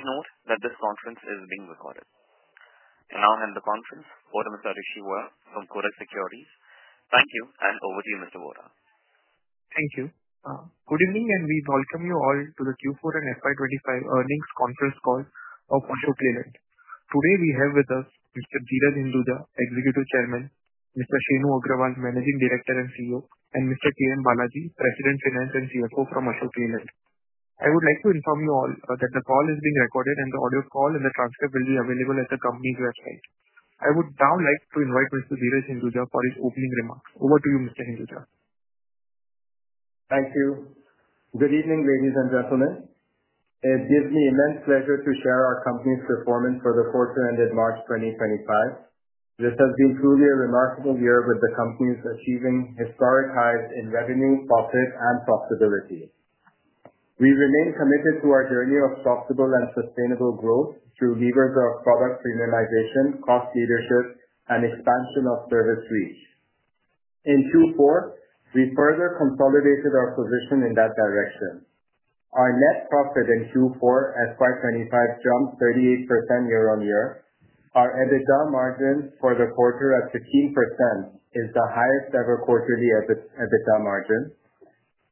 Please note that this conference is being recorded. I hand the conference over to Mr. Rishi Vora from Kotak Securities. Thank you, and over to you, Mr. Vora. Thank you. Good evening, and we welcome you all to the Q4 and FY 2025 earnings conference call of Ashok Leyland. Today, we have with us Mr. Dheeraj Hinduja, Executive Chairman; Mr. Shenu Agarwal, Managing Director and CEO; and Mr. KM Balaji, President, Finance, and CFO from Ashok Leyland. I would like to inform you all that the call is being recorded, and the audio call and the transcript will be available at the company's website. I would now like to invite Mr. Dheeraj Hinduja for his opening remarks. Over to you, Mr. Hinduja. Thank you. Good evening, ladies and gentlemen. It gives me immense pleasure to share our company's performance for the quarter-end of March 2025. This has been truly a remarkable year with the company achieving historic highs in revenue, profit, and profitability. We remain committed to our journey of profitable and sustainable growth through levers of product premiumization, cost leadership, and expansion of service reach. In Q4, we further consolidated our position in that direction. Our net profit in Q4 FY 2025 jumped 38% year-on-year. Our EBITDA margin for the quarter at 15% is the highest-ever quarterly EBITDA margin.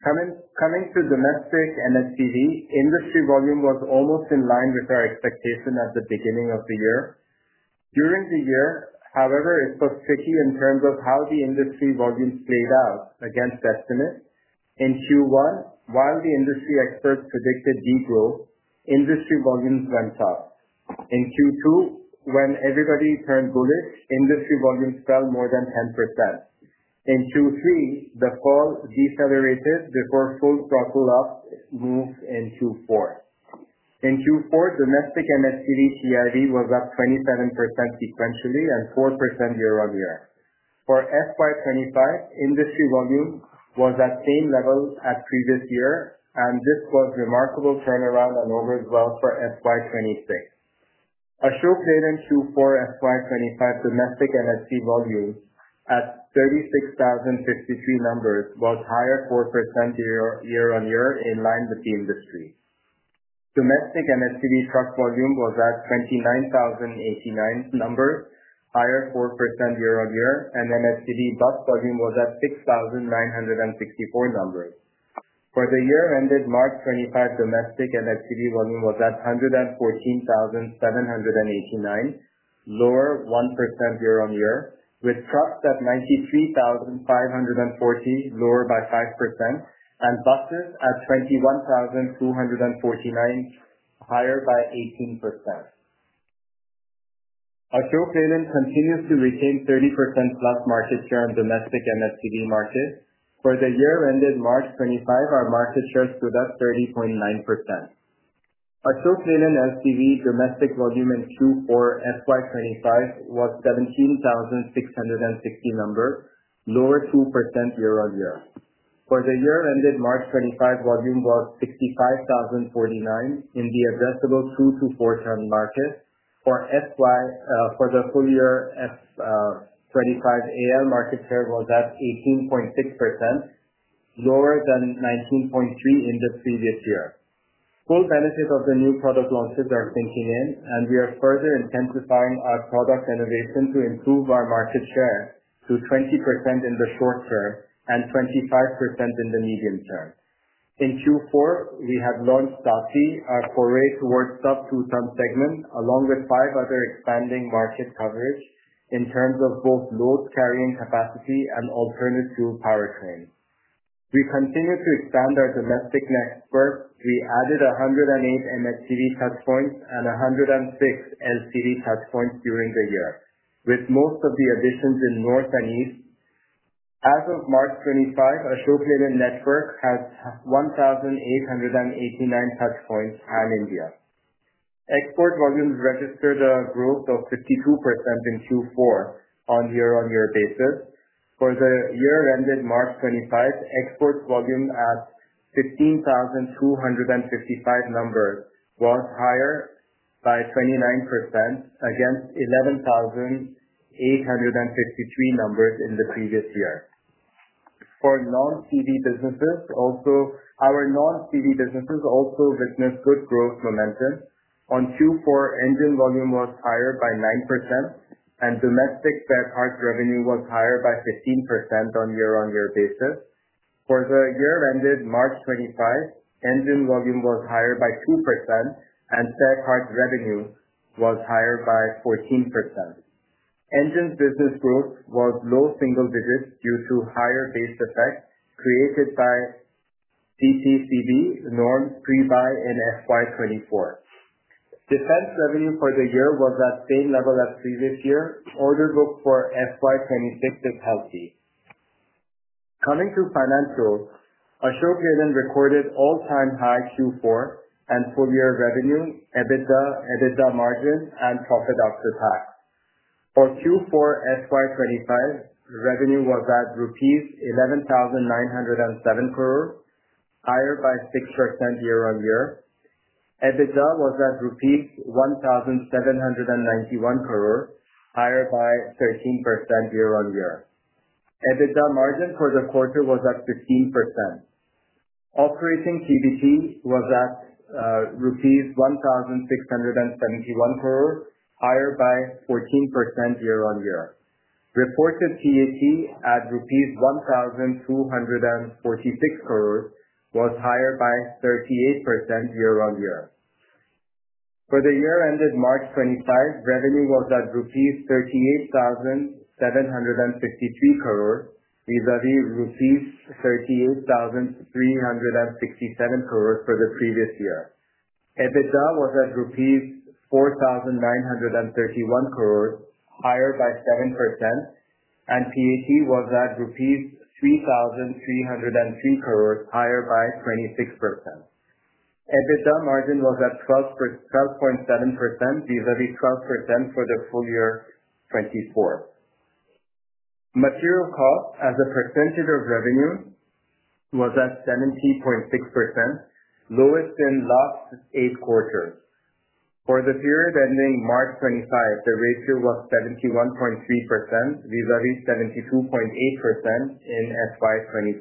Coming to domestic MHCV, industry volume was almost in line with our expectation at the beginning of the year. During the year, however, it was tricky in terms of how the industry volumes played out against estimates. In Q1, while the industry experts predicted degrowth, industry volumes went up. In Q2, when everybody turned bullish, industry volumes fell more than 10%. In Q3, the fall decelerated before full throttle-up moves in Q4. In Q4, domestic MHCV TIV was up 27% sequentially and 4% year-on-year. For FY 2025, industry volume was at same level as previous year, and this was remarkable turnaround and over as well for FY 2026. Ashok Leyland Q4 FY 2025 domestic [MHC] volume at 36,053 numbers was higher 4% year-on-year in line with the industry. Domestic MHCV truck volume was at 29,089 numbers, higher 4% year-on-year, and MHCV bus volume was at 6,964 numbers. For the year-ended March 25, domestic MHCV volume was at 114,789, lower 1% year-on-year, with trucks at 93,540, lower by 5%, and buses at 21,249, higher by 18%. Ashok Leyland continues to retain 30% plus market share in domestic MHCV market. For the year-ended March 25, our market share stood at 30.9%. Ashok Leyland LCV domestic volume in Q4 FY 2025 was 17,660 numbers, lower 2% year-on-year. For the year ended March 2025, volume was 65,049 in the addressable 2 to 4 ton market. For FY 2025, AL market share was at 18.6%, lower than 19.3% in the previous year. Full benefit of the new product launches are sinking in, and we are further intensifying our product innovation to improve our market share to 20% in the short term and 25% in the medium term. In Q4, we have launched SAATHI, a foray towards sub-2 ton segment, along with five other expanding market coverage in terms of both load-carrying capacity and alternate fuel powertrains. We continue to expand our domestic network. We added 108 MHCV touchpoints and 106 LCV touchpoints during the year, with most of the additions in North and East. As of March 2025, Ashok Leyland network has 1,889 touchpoints in India. Export volumes registered a growth of 52% in Q4 on year-on-year basis. For the year ended March 2025, export volume at 15,255 numbers was higher by 29% against 11,853 numbers in the previous year. For Non-CV businesses, our Non-CV businesses also witnessed good growth momentum. On Q4, engine volume was higher by 9%, and domestic spare parts revenue was higher by 15% on year-on-year basis. For the year ended March 2025, engine volume was higher by 2%, and spare parts revenue was higher by 14%. Engine business growth was low single digits due to higher base effect created by CPCB norms pre-buy in FY 2024. Defense revenue for the year was at same level as previous year. Order book for FY 2026 is healthy. Coming to financials, Ashok Leyland recorded all-time high Q4 and full year revenue, EBITDA, EBITDA margin, and profit after tax. For Q4 2025, revenue was at rupees 11,907 crore, higher by 6% year-on-year. EBITDA was at rupees 1,791 crore, higher by 13% year-on-year. EBITDA margin for the quarter was at 15%. Operating PBT was at rupees 1,671 crore, higher by 14% year-on-year. Reported PAT at rupees 1,246 crore was higher by 38% year-on-year. For the year ended March 2025, revenue was at rupees 38,753 crore vis-à-vis rupees 38,367 crore for the previous year. EBITDA was at rupees 4,931 crore, higher by 7%, and PAT was at rupees 3,303 crore, higher by 26%. EBITDA margin was at 12.7% vis-à-vis 12% for the full year 2024. Material cost as a percentage of revenue was at 70.6%, lowest in last eight quarters. For the period ending March 2025, the ratio was 71.3% vis-à-vis 72.8% in FY 2024.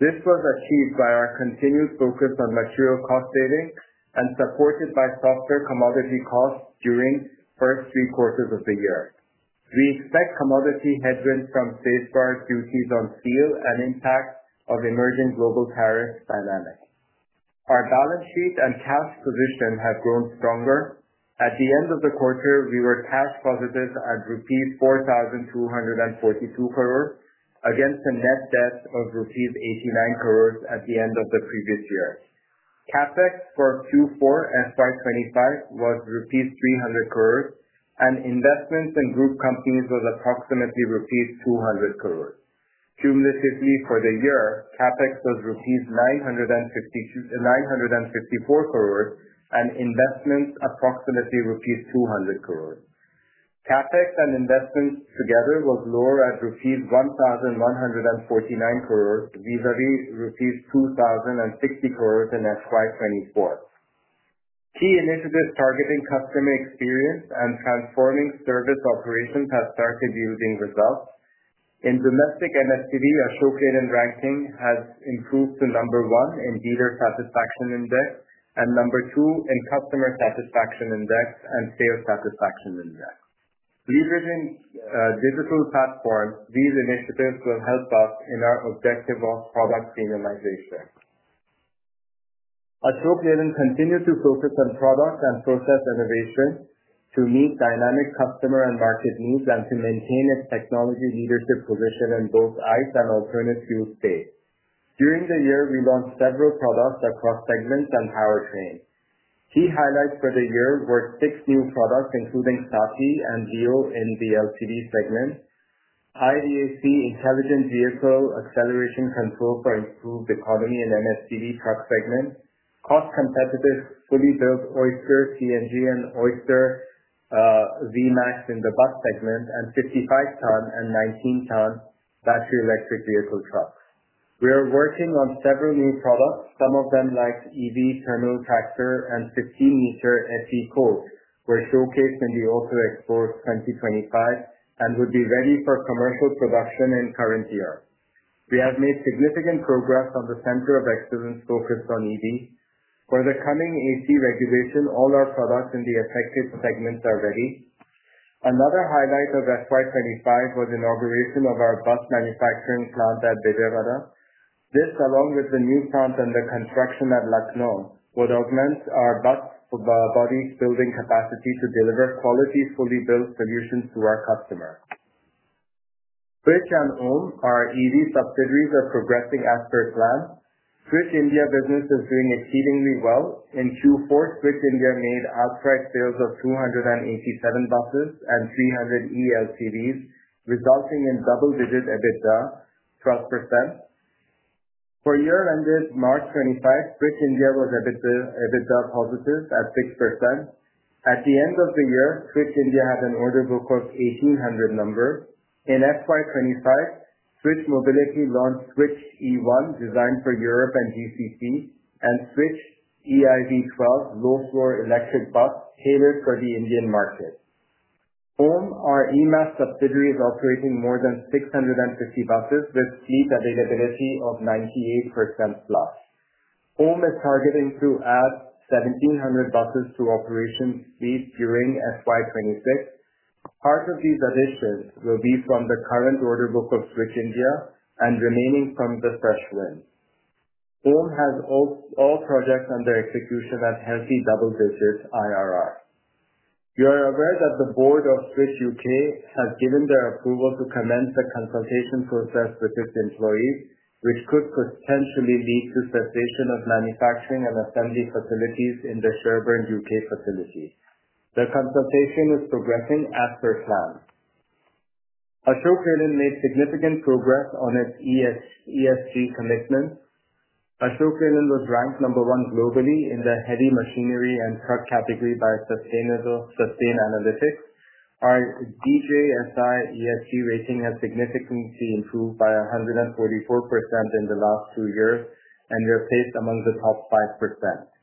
This was achieved by our continued focus on material cost saving and supported by softer commodity costs during the first three quarters of the year. We expect commodity headwinds from safeguard duties on steel and impact of emerging global tariff dynamics. Our balance sheet and cash position have grown stronger. At the end of the quarter, we were cash positive at rupees 4,242 crore against a net debt of rupees 89 crore at the end of the previous year. CapEx for Q4 FY 2025 was rupees 300 crore, and investments in group companies was approximately rupees 200 crore. Cumulatively for the year, CapEx was rupees 954 crore and investments approximately rupees 200 crore. CapEx and investments together was lower at rupees 1,149 crore vis-à-vis INR 2,060 crore in FY 2024. Key initiatives targeting customer experience and transforming service operations have started yielding results. In domestic MHCV, Ashok Leyland ranking has improved to number one in dealer satisfaction index and number two in customer satisfaction index and sales satisfaction index. Leaders in digital platforms, these initiatives will help us in our objective of product premiumization. Ashok Leyland continues to focus on product and process innovation to meet dynamic customer and market needs and to maintain its technology leadership position in both ICE and alternate fuel states. During the year, we launched several products across segments and powertrains. Key highlights for the year were six new products including SAATHI and LEO in the LCV segment, IVAC Intelligent Vehicle Acceleration Control for improved economy in MHCV truck segment, cost competitive fully built Oyster CNG and Oyster VMAX in the bus segment, and 55-ton and 19-ton battery electric vehicle trucks. We are working on several new products, some of them like EV terminal tractor and 15-meter AC coach were showcased in the Auto Expo 2025 and would be ready for commercial production in current year. We have made significant progress on the center of excellence focused on EV. For the coming AC regulation, all our products in the affected segments are ready. Another highlight of FY 2025 was inauguration of our bus manufacturing plant at Vijayawada. This, along with the new plant and the construction at Lucknow, would augment our bus body's building capacity to deliver quality fully built solutions to our customers. Switch and OHM, our EV subsidiaries, are progressing as per plan. Switch India business is doing exceedingly well. In Q4, Switch India made outright sales of 287 buses and 300 eLCVs, resulting in double-digit EBITDA 12%. For year-ended March 2025, Switch India was EBITDA positive at 6%. At the end of the year, Switch India had an order book of 1,800 numbers. In FY 2025, Switch Moblity launched Switch E1 designed for Europe and GCC and Switch EiV 12 low-floor electric bus tailored for the Indian market. OHM, our E-MaaS subsidiary, is operating more than 650 buses with fleet availability of 98% plus. OHM is targeting to add 1,700 buses to operation fleet during FY 2026. Part of these additions will be from the current order book of Switch India and remaining from the fresh wind. OHM has all projects under execution at healthy double-digit IRR. You are aware that the board of Switch UK has given their approval to commence the consultation process with its employees, which could potentially lead to cessation of manufacturing and assembly facilities in the Sherburn, U.K. facility. The consultation is progressing as per plan. Ashok Leyland made significant progress on its ESG commitments. Ashok Leyland was ranked number one globally in the heavy machinery and truck category by Sustainanalytics. Our DJSI ESG rating has significantly improved by 144% in the last two years and we are placed among the top 5%.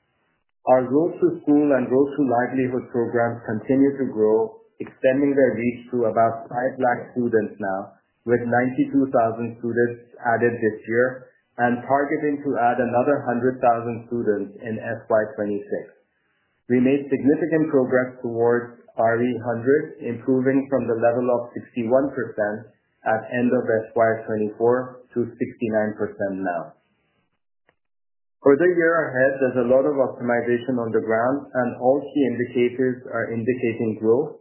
Our Road to School and Road to Livelihood programs continue to grow, extending their reach to about 500,000 students now, with 92,000 students added this year and targeting to add another 100,000 students in FY 2026. We made significant progress towards RE100, improving from the level of 61% at end of FY 2024 to 69% now. For the year ahead, there is a lot of optimization on the ground, and all key indicators are indicating growth.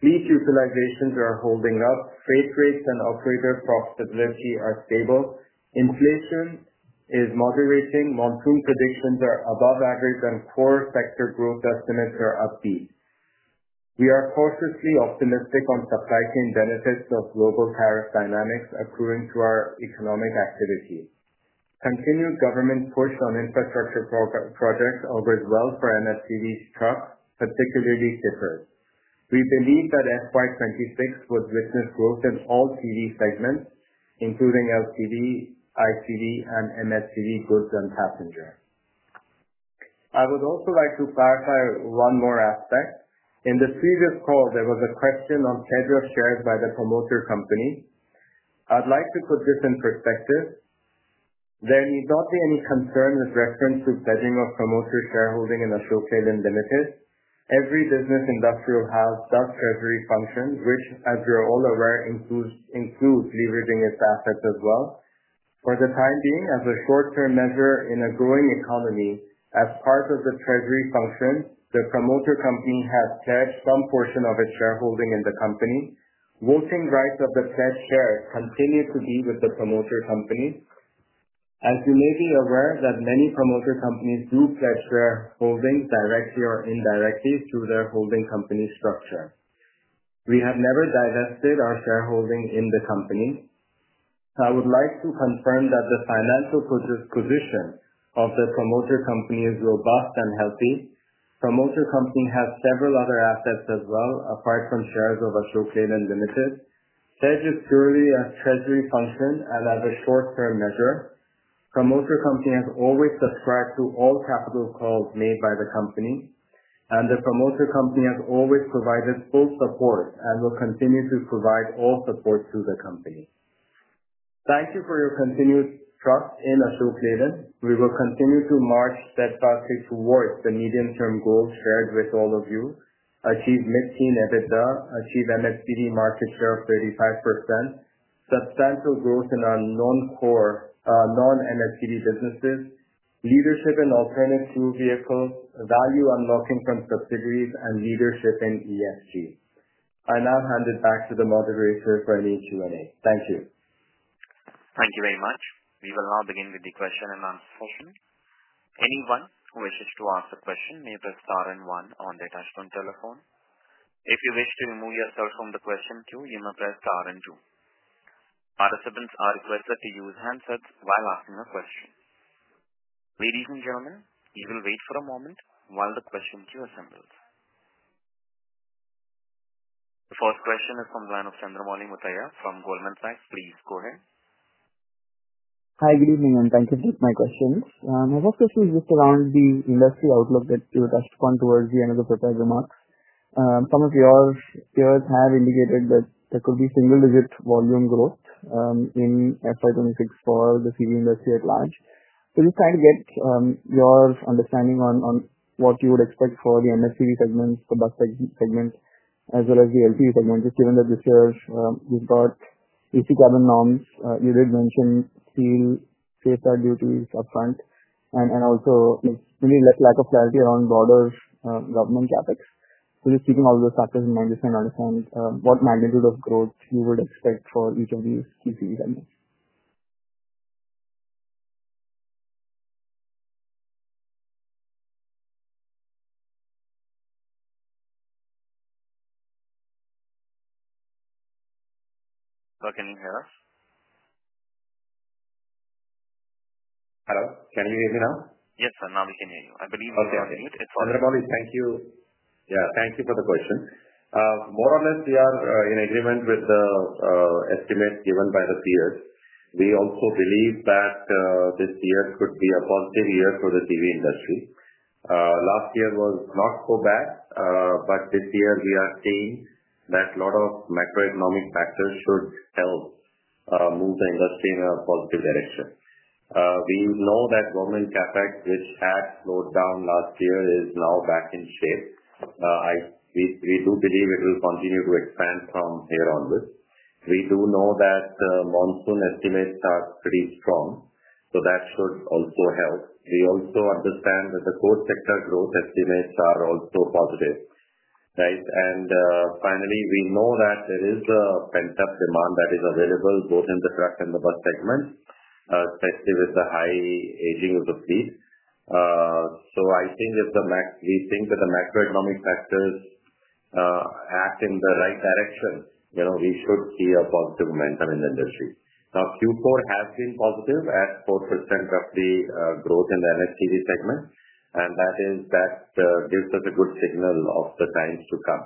Lease utilizations are holding up. Freight rates and operator profitability are stable. Inflation is moderating. Monsoon predictions are above average, and core sector growth estimates are upbeat. We are cautiously optimistic on supply chain benefits of global tariff dynamics accruing to our economic activity. Continued government push on infrastructure projects augurs well for MHCV trucks, particularly skippers. We believe that FY 2026 would witness growth in all series segments, including LCV, ICV, and MHCV goods and passenger. I would also like to clarify one more aspect. In the previous call, there was a question on schedule shared by the promoter company. I'd like to put this in perspective. There need not be any concern with reference to pledging of promoter shareholding in Ashok Leyland. Every business industrial house does treasury functions, which, as you're all aware, includes leveraging its assets as well. For the time being, as a short-term measure in a growing economy, as part of the treasury function, the promoter company has pledged some portion of its shareholding in the company. Voting rights of the pledged share continue to be with the promoter company. As you may be aware, many promoter companies do pledge shareholding directly or indirectly through their holding company structure. We have never divested our shareholding in the company. I would like to confirm that the financial position of the promoter company is robust and healthy. The promoter company has several other assets as well, apart from shares of Ashok Leyland. Pledge is purely a treasury function and as a short-term measure. The promoter company has always subscribed to all capital calls made by the company, and the promoter company has always provided full support and will continue to provide all support to the company. Thank you for your continued trust in Ashok Leyland. We will continue to march steadfastly towards the medium-term goals shared with all of you: achieve mid-teen EBITDA, achieve MHCV market share of 35%, substantial growth in our non-MHCV businesses, leadership in alternate fuel vehicles, value unlocking from subsidiaries, and leadership in ESG. I now hand it back to the moderator for any Q&A. Thank you. Thank you very much. We will now begin with the question and answer session. Anyone who wishes to ask a question may press star and one on the touchstone telephone. If you wish to remove yourself from the question queue, you may press star and two. Participants are requested to use handsets while asking a question. Ladies and gentlemen, you will wait for a moment while the question queue assembles. The first question is from the line of Chandramouli Muthiah from Goldman Sachs. Please go ahead. Hi, good evening, and thank you for my questions. My first question is just around the industry outlook that you touched upon towards the end of the prepared remarks. Some of your peers have indicated that there could be single-digit volume growth in FY 2026 for the CV industry at large. Just trying to get your understanding on what you would expect for the MHCV segments, the bus segment, as well as the LCV segment, just given that this year we've got AC cabin norms. You did mention steel, safeguard duties upfront, and also maybe less lack of clarity around broader government CapEx. Just keeping all those factors in mind, just trying to understand what magnitude of growth you would expect for each of these CV segments. Sir, can you hear us? Hello, can you hear me now? Yes, sir, now we can hear you. I believe you're on mute. Okay. Chandramouli, thank you. Yeah, thank you for the question. More or less, we are in agreement with the estimate given by the peers. We also believe that this year could be a positive year for the CV industry. Last year was not so bad, but this year we are seeing that a lot of macroeconomic factors should help move the industry in a positive direction. We know that government CapEx, which had slowed down last year, is now back in shape. We do believe it will continue to expand from here onwards. We do know that monsoon estimates are pretty strong, so that should also help. We also understand that the core sector growth estimates are also positive. Right? Finally, we know that there is a pent-up demand that is available both in the truck and the bus segment, especially with the high aging of the fleet. I think if the macroeconomic factors act in the right direction, we should see a positive momentum in the industry. Q4 has been positive at 4% roughly growth in the MHCV segment, and that gives us a good signal of the times to come.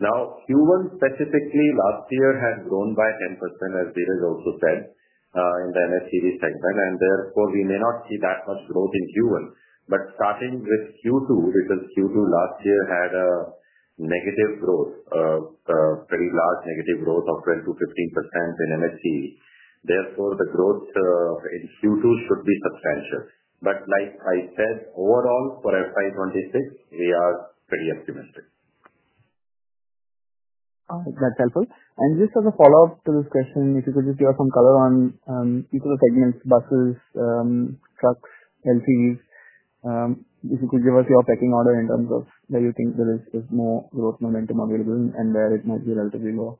Q1 specifically last year had grown by 10%, as Dheeraj also said, in the MHCV segment, and therefore we may not see that much growth in Q1. Starting with Q2, because Q2 last year had a negative growth, a pretty large negative growth of 12%-15% in MHCV. Therefore, the growth in Q2 should be substantial. Like I said, overall for FY 2026, we are pretty optimistic. All right. That's helpful. Just as a follow-up to this question, if you could just give us some color on each of the segments: buses, trucks, LCVs, if you could give us your pecking order in terms of where you think there is more growth momentum available and where it might be relatively low.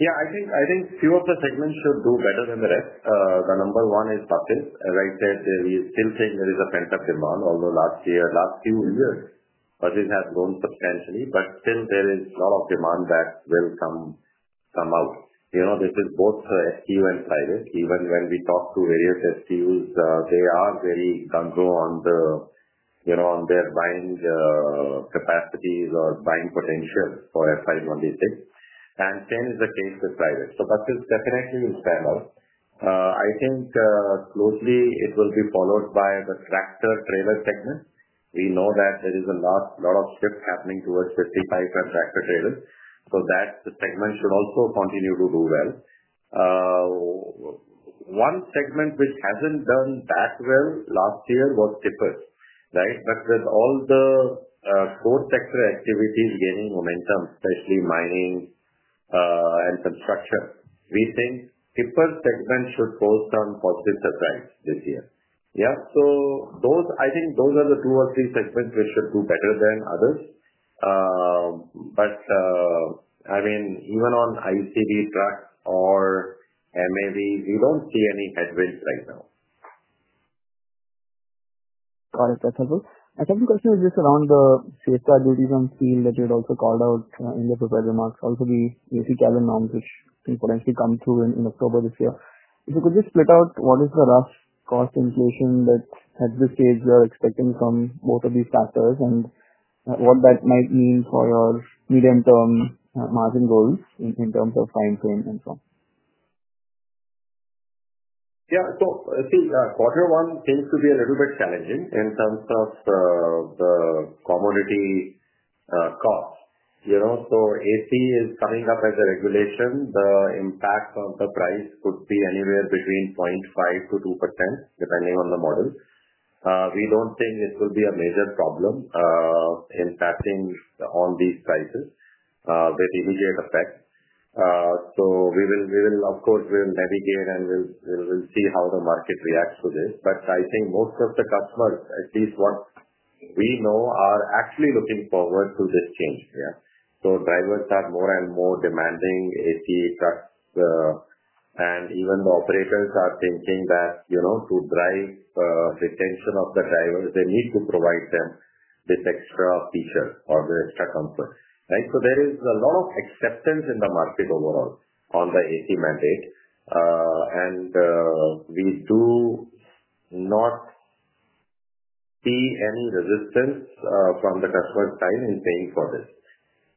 Yeah, I think few of the segments should do better than the rest. The number one is buses. As I said, we still think there is a pent-up demand, although last few years, buses have grown substantially, but still there is a lot of demand that will come out. This is both STU and private. Even when we talk to various STUs, they are very gung-ho on their buying capacities or buying potential for FY 2026. Same is the case with private. Buses definitely will stand out. I think closely it will be followed by the tractor trailer segment. We know that there is a lot of shift happening towards 55-ton and tractor trailers. So that segment should also continue to do well. One segment which hasn't done that well last year was tippers. Right? But with all the core sector activities gaining momentum, especially mining and construction, we think skipper segment should cause some positive surprise this year. Yeah? I think those are the two or three segments which should do better than others. I mean, even on ICV trucks or MAVs, we don't see any headwinds right now. Got it. That's helpful. A second question is just around the safeguard duties on steel that you had also called out in the prepared remarks. Also, the AC cabin norms, which will potentially come through in October this year. If you could just split out what is the rough cost inflation that at this stage you're expecting from both of these factors and what that might mean for your medium-term margin goals in terms of time frame and so on. Yeah. I think quarter one seems to be a little bit challenging in terms of the commodity cost. AC is coming up as a regulation. The impact on the price could be anywhere between 0.5%-2%, depending on the model. We do not think it will be a major problem impacting all these prices with immediate effect. We will, of course, navigate and we will see how the market reacts to this. I think most of the customers, at least what we know, are actually looking forward to this change. Yeah? Drivers are more and more demanding AC trucks, and even the operators are thinking that to drive retention of the drivers, they need to provide them with extra features or the extra comfort. Right? There is a lot of acceptance in the market overall on the AC mandate, and we do not see any resistance from the customer side in paying for this.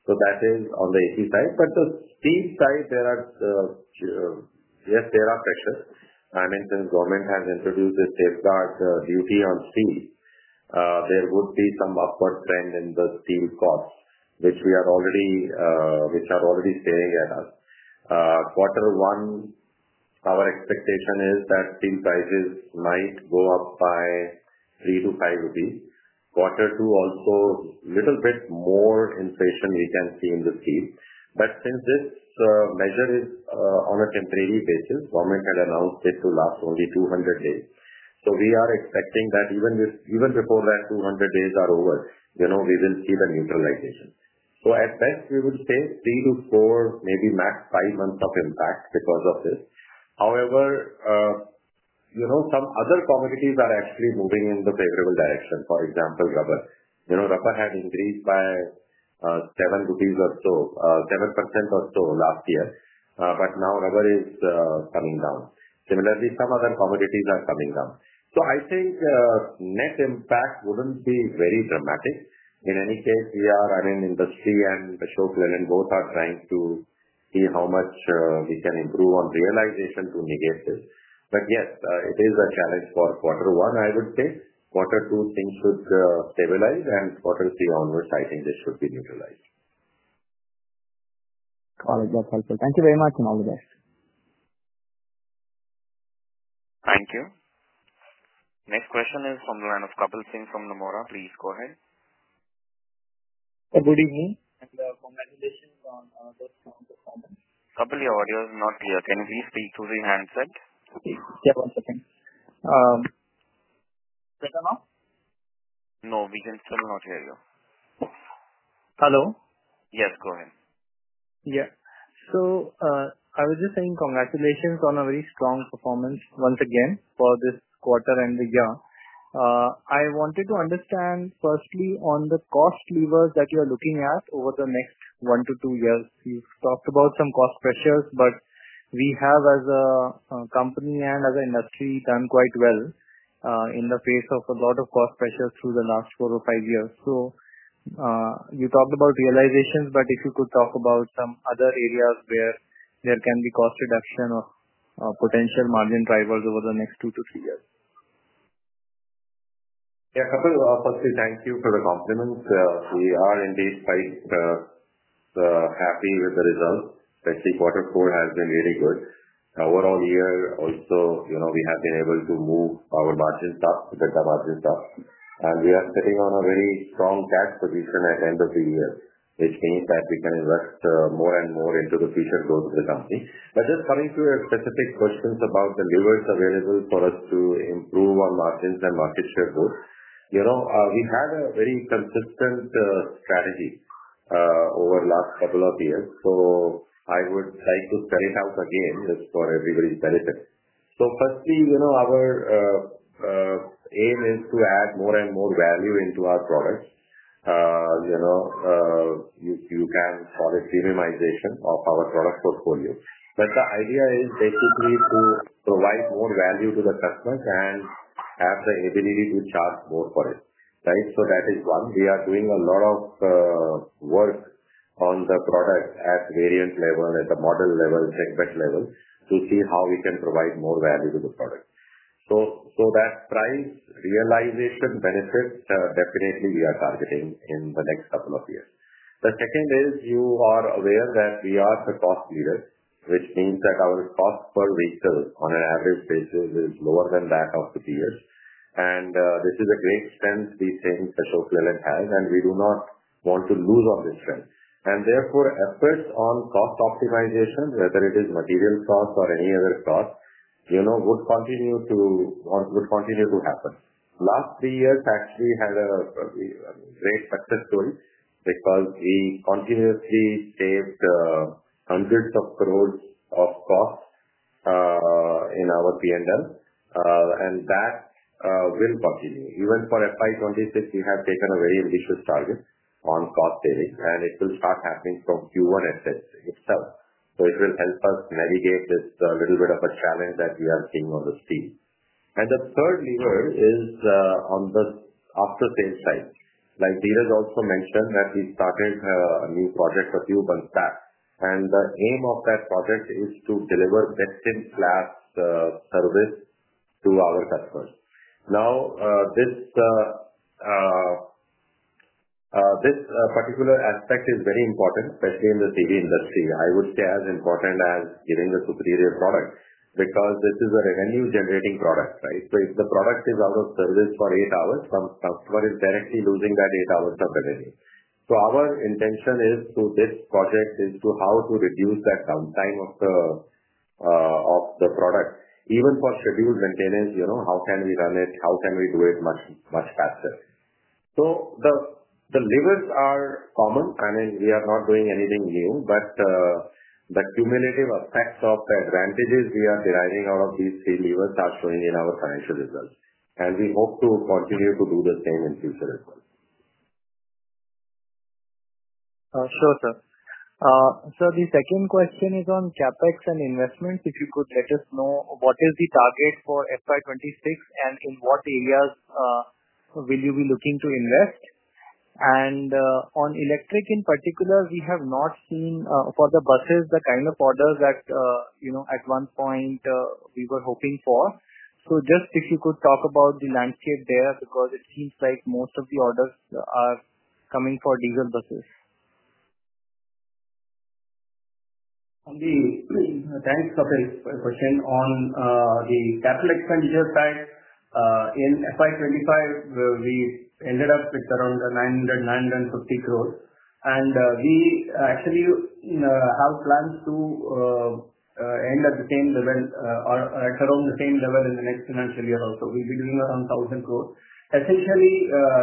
That is on the AC side. I mean, since government has introduced the safeguard duty on steel, there would be some upward trend in the steel costs, which we are already staring at. Quarter one, our expectation is that steel prices might go up by 3-5 rupees. Quarter two, also a little bit more inflation we can see in the steel. But since this measure is on a temporary basis, government had announced it to last only 200 days. We are expecting that even before that 200 days are over, we will see the neutralization. At best, we would say three to four, maybe max five months of impact because of this. However, some other commodities are actually moving in the favorable direction. For example, rubber. Rubber had increased by 7 rupees or so, 7% or so last year, but now rubber is coming down. Similarly, some other commodities are coming down. I think net impact would not be very dramatic. In any case, we are, I mean, industry and Ashok Leyland both are trying to see how much we can improve on realization to negate this. Yes, it is a challenge for quarter one, I would say. Quarter two, things should stabilize, and quarter three onwards, I think this should be neutralized. Got it. That's helpful. Thank you very much and all the best. Thank you. Next question is from the line of Kapil Singh from Nomura. Please go ahead. Good evening and congratulations on those strong performance. Kapil, your audio is not clear. Can you please speak through the handset? Yeah, one second. Better now? No, we can still not hear you. Hello? Yes, go ahead. Yeah. So I was just saying congratulations on a very strong performance once again for this quarter and the year. I wanted to understand, firstly, on the cost levers that you're looking at over the next one to two years. You've talked about some cost pressures, but we have, as a company and as an industry, done quite well in the face of a lot of cost pressures through the last four or five years. You talked about realizations, but if you could talk about some other areas where there can be cost reduction or potential margin drivers over the next two to three years. Yeah, Kapil, firstly, thank you for the compliments. We are indeed quite happy with the results. Especially quarter four has been really good. Overall year, also, we have been able to move our margins up, the margins up. We are sitting on a very strong cash position at the end of the year, which means that we can invest more and more into the future growth of the company. Just coming to your specific questions about the levers available for us to improve on margins and market share growth, we had a very consistent strategy over the last couple of years. I would like to spell it out again just for everybody's benefit. Firstly, our aim is to add more and more value into our products. You can call it premiumization of our product portfolio. The idea is basically to provide more value to the customers and have the ability to charge more for it. Right? That is one. We are doing a lot of work on the product at variant level, at the model level, segment level, to see how we can provide more value to the product. That price realization benefit, definitely we are targeting in the next couple of years. The second is you are aware that we are the cost leader, which means that our cost per vehicle on an average basis is lower than that of the peers. This is a great strength we think Ashok Leyland has, and we do not want to lose on this strength. Therefore, efforts on cost optimization, whether it is material cost or any other cost, would continue to happen. Last three years actually had a great success story because we continuously saved hundreds of crores of cost in our P&L, and that will continue. Even for FY 2026, we have taken a very ambitious target on cost savings, and it will start happening from Q1 itself. It will help us navigate this little bit of a challenge that we are seeing on the steel. The third lever is on the after-sales side. Like Dheeraj also mentioned that we started a new project a few months back, and the aim of that project is to deliver best-in-class service to our customers. Now, this particular aspect is very important, especially in the CV industry. I would say as important as giving a superior product because this is a revenue-generating product. Right? If the product is out of service for eight hours, some customer is directly losing that eight hours of revenue. Our intention is through this project as to how to reduce that downtime of the product. Even for scheduled maintenance, how can we run it? How can we do it much faster? The levers are common. I mean, we are not doing anything new, but the cumulative effects of the advantages we are deriving out of these three levers are showing in our financial results. We hope to continue to do the same in future as well. Sure, sir. Sir, the second question is on CapEx and investments. If you could let us know, what is the target for FY 2026, and in what areas will you be looking to invest? On electric in particular, we have not seen for the buses the kind of orders that at one point we were hoping for. Just if you could talk about the landscape there because it seems like most of the orders are coming for diesel buses. Thanks, Kapil, for your question. On the capital expenditure side, in FY 2025, we ended up with around 900 crore, INR 950 crore. We actually have plans to end at the same level or at around the same level in the next financial year also. We will be doing around 1,000 crore. Essentially,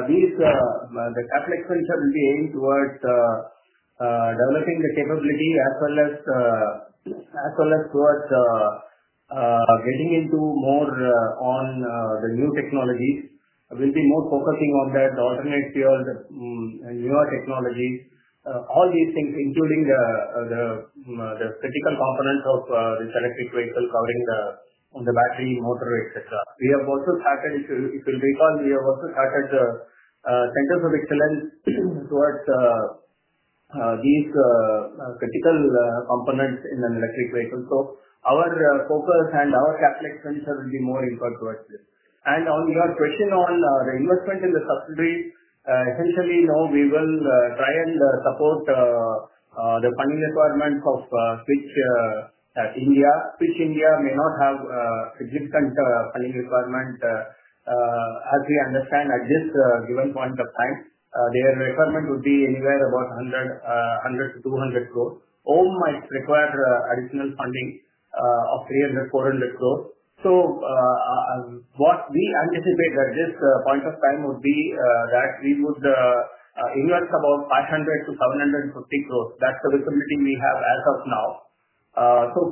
the capital expenditure will be aimed towards developing the capability as well as towards getting into more on the new technologies. We'll be more focusing on that alternate fuel and newer technologies. All these things, including the critical components of this electric vehicle covering the battery, motor, etc. We have also started, if you'll recall, we have also started the centers of excellence towards these critical components in an electric vehicle. Our focus and our capital expenditure will be more inclined towards this. On your question on the investment in the subsidiaries, essentially, no, we will try and support the funding requirements of Switch India. Switch India may not have significant funding requirement as we understand at this given point of time. Their requirement would be anywhere about 100 crore-200 crore. OHM might require additional funding of 300 crore-400 crore. What we anticipate at this point of time would be that we would invest about 500 crore-750 crore. That's the visibility we have as of now. We'll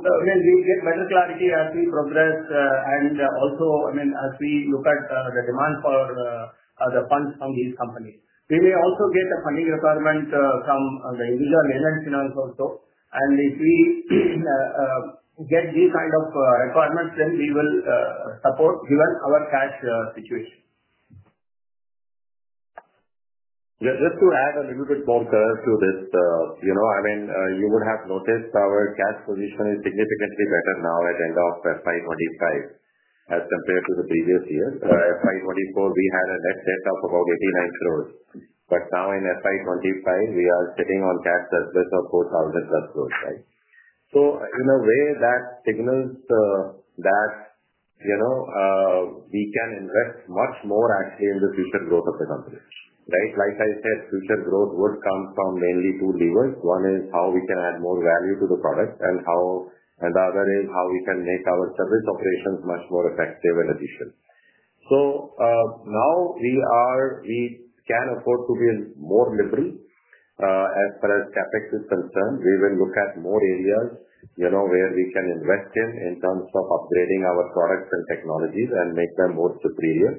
get better clarity as we progress and also, I mean, as we look at the demand for the funds from these companies. We may also get a funding requirement from the individual finance also and if we get these kind of requirements, then we will support given our cash situation. Just to add a little bit more color to this, I mean, you would have noticed our cash position is significantly better now at the end of FY 2025 as compared to the previous year. FY 2024, we had a net debt of about 89 crore. Now in FY 2025, we are sitting on cash surplus of 4,000+ crore. Right? In a way, that signals that we can invest much more actually in the future growth of the company. Right? Like I said, future growth would come from mainly two levers. One is how we can add more value to the product and the other is how we can make our service operations much more effective and efficient. Now we can afford to be more liberal as far as CapEx is concerned. We will look at more areas where we can invest in terms of upgrading our products and technologies and make them more superior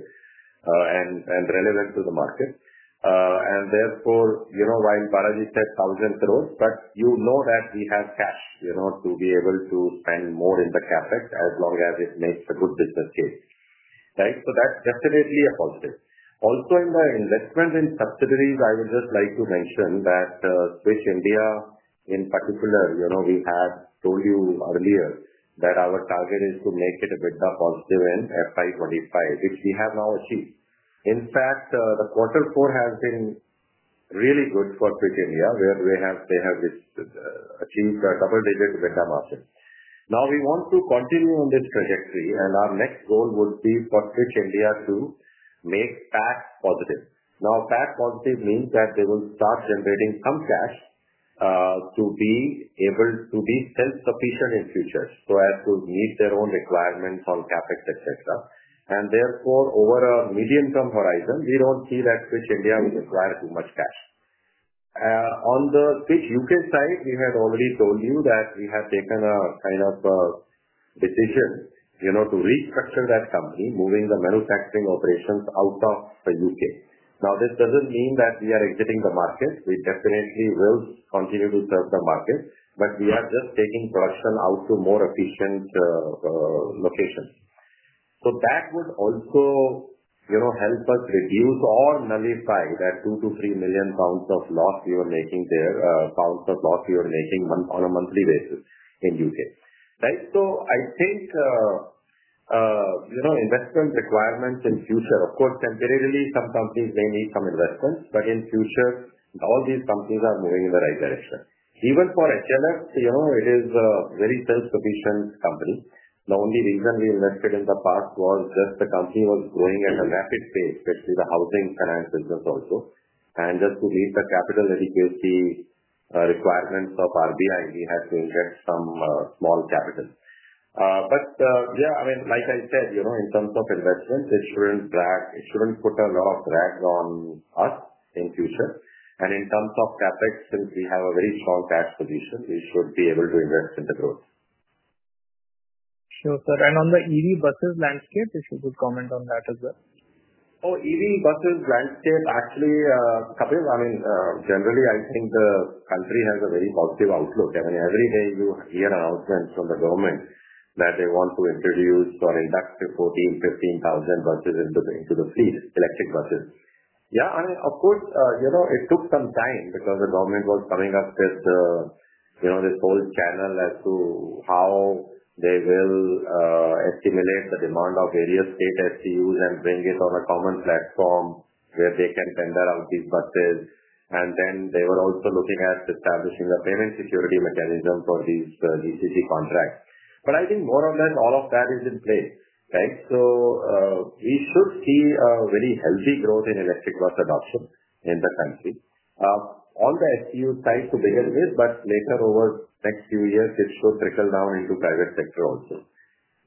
and relevant to the market. Therefore, while Balaji said 1,000 crore, you know that we have cash to be able to spend more in the CapEx as long as it makes a good business case. Right? That is definitely a positive. Also in the investment in subsidiaries, I would just like to mention that Switch India, in particular, we had told you earlier that our target is to make it EBITDA positive end FY 2025, which we have now achieved. In fact, the quarter four has been really good for Switch India, where they have achieved a double-digit EBITDA margin. Now we want to continue on this trajectory, and our next goal would be for Switch India to make PAT positive. Now, PAT positive means that they will start generating some cash to be able to be self-sufficient in future so as to meet their own requirements on CapEx, etc. Therefore, over a medium-term horizon, we do not see that Switch India will require too much cash. On the Switch UK side, we had already told you that we had taken a kind of decision to restructure that company, moving the manufacturing operations out of the U.K. Now, this does not mean that we are exiting the market. We definitely will continue to serve the market, but we are just taking production out to more efficient locations. That would also help us reduce or nullify that 2 million-3 million pounds of loss we were making there, loss we were making on a monthly basis in the U.K. Right? I think investment requirements in future, of course, temporarily, some companies may need some investments, but in future, all these companies are moving in the right direction. Even for HLF, it is a very self-sufficient company. The only reason we invested in the past was just the company was growing at a rapid pace, especially the housing finance business also. Just to meet the capital adequacy requirements of RBI, we had to inject some small capital. Yeah, I mean, like I said, in terms of investment, it should not put a lot of drag on us in future. In terms of CapEx, since we have a very strong cash position, we should be able to invest in the growth. Sure, sir. On the EV buses landscape, if you could comment on that as well. Oh, EV buses landscape, actually, Kapil, I mean, generally, I think the country has a very positive outlook. I mean, every day you hear announcements from the government that they want to introduce or induct 14,000, 15,000 buses into the fleet, electric buses. Yeah, I mean, of course, it took some time because the government was coming up with this whole channel as to how they will estimate the demand of various state STUs and bring it on a common platform where they can tender out these buses. They were also looking at establishing a payment security mechanism for these GCC contracts. I think more or less all of that is in place. Right? We should see a very healthy growth in electric bus adoption in the country. On the STU side, to begin with, but later over the next few years, it should trickle down into private sector also.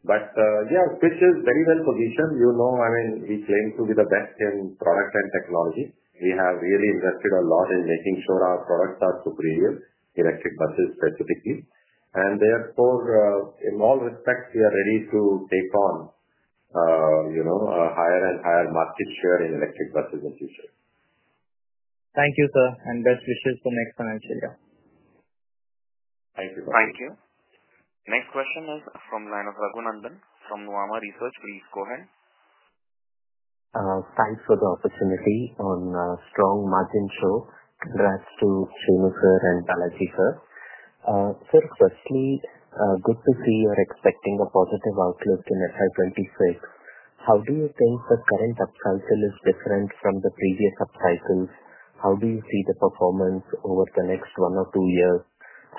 Yeah, Switch is very well positioned. I mean, we claim to be the best in product and technology. We have really invested a lot in making sure our products are superior, electric buses specifically. Therefore, in all respects, we are ready to take on a higher and higher market share in electric buses in future. Thank you, sir, and best wishes for next financial year. Thank you. Thank you. Next question is from Raghunandan from Nuvama Research. Please go ahead. Thanks for the opportunity on a strong margin show. Congrats to Shenu sir and Balaji sir. Sir, firstly, good to see you're expecting a positive outlook in FY 2026. How do you think the current upcycle is different from the previous upcycles? How do you see the performance over the next one or two years?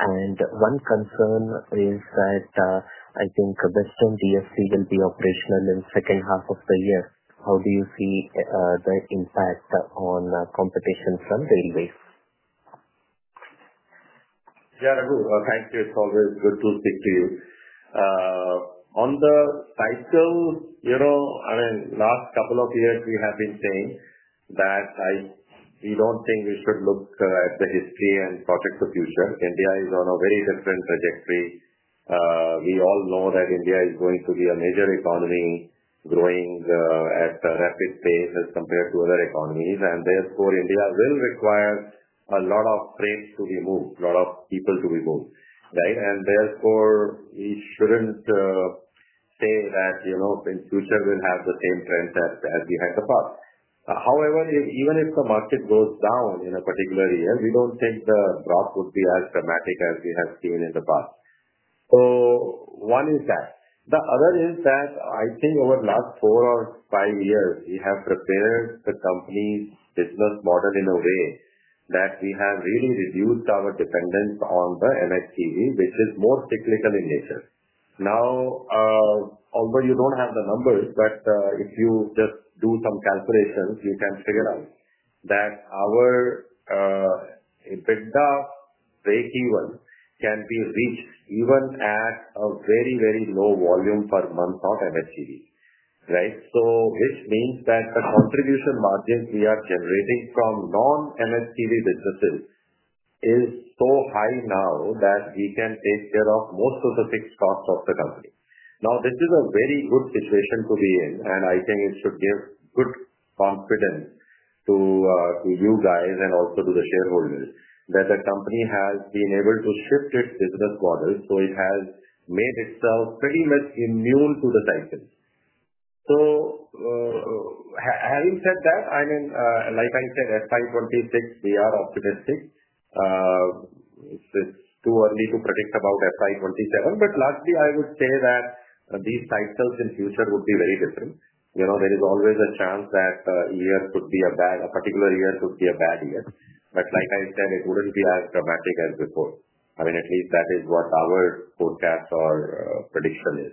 One concern is that I think Western DSC will be operational in the second half of the year. How do you see the impact on competition from railways? Yeah, Raghu, thank you. It's always good to speak to you. On the cycle, I mean, last couple of years, we have been saying that we don't think we should look at the history and project for future. India is on a very different trajectory. We all know that India is going to be a major economy growing at a rapid pace as compared to other economies. Therefore, India will require a lot of freight to be moved, a lot of people to be moved. Right? Therefore, we shouldn't say that in future we'll have the same trends as we had the past. However, even if the market goes down in a particular year, we don't think the drop would be as dramatic as we have seen in the past. So one is that. The other is that I think over the last four or five years, we have prepared the company's business model in a way that we have really reduced our dependence on the MHCV, which is more cyclical in nature. Now, although you do not have the numbers, but if you just do some calculations, you can figure out that our EBITDA break-even can be reached even at a very, very low volume per month on MHCV. Right? Which means that the contribution margin we are generating from non-MHCV businesses is so high now that we can take care of most of the fixed costs of the company. Now, this is a very good situation to be in, and I think it should give good confidence to you guys and also to the shareholders that the company has been able to shift its business model so it has made itself pretty much immune to the cycles. Having said that, I mean, like I said, FY 2026, we are optimistic. It's too early to predict about FY 2027, but largely, I would say that these cycles in future would be very different. There is always a chance that a year could be a bad year. But like I said, it wouldn't be as dramatic as before. I mean, at least that is what our forecast or prediction is.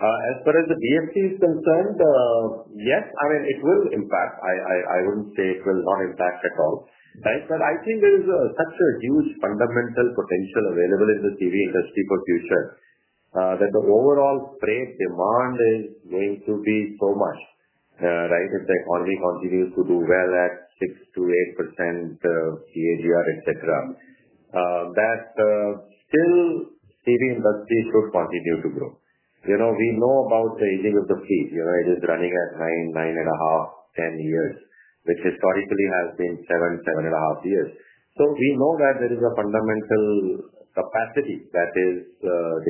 As far as the DSC is concerned, yes, I mean, it will impact. I wouldn't say it will not impact at all. Right? I think there is such a huge fundamental potential available in the CV industry for future that the overall freight demand is going to be so much. Right? If the economy continues to do well at 6%-8% CAGR, etc., the CV industry should continue to grow. We know about the aging of the fleet. It is running at nine, 9.5, 10 years, which historically has been seven, 7.5 years. We know that there is a fundamental capacity that is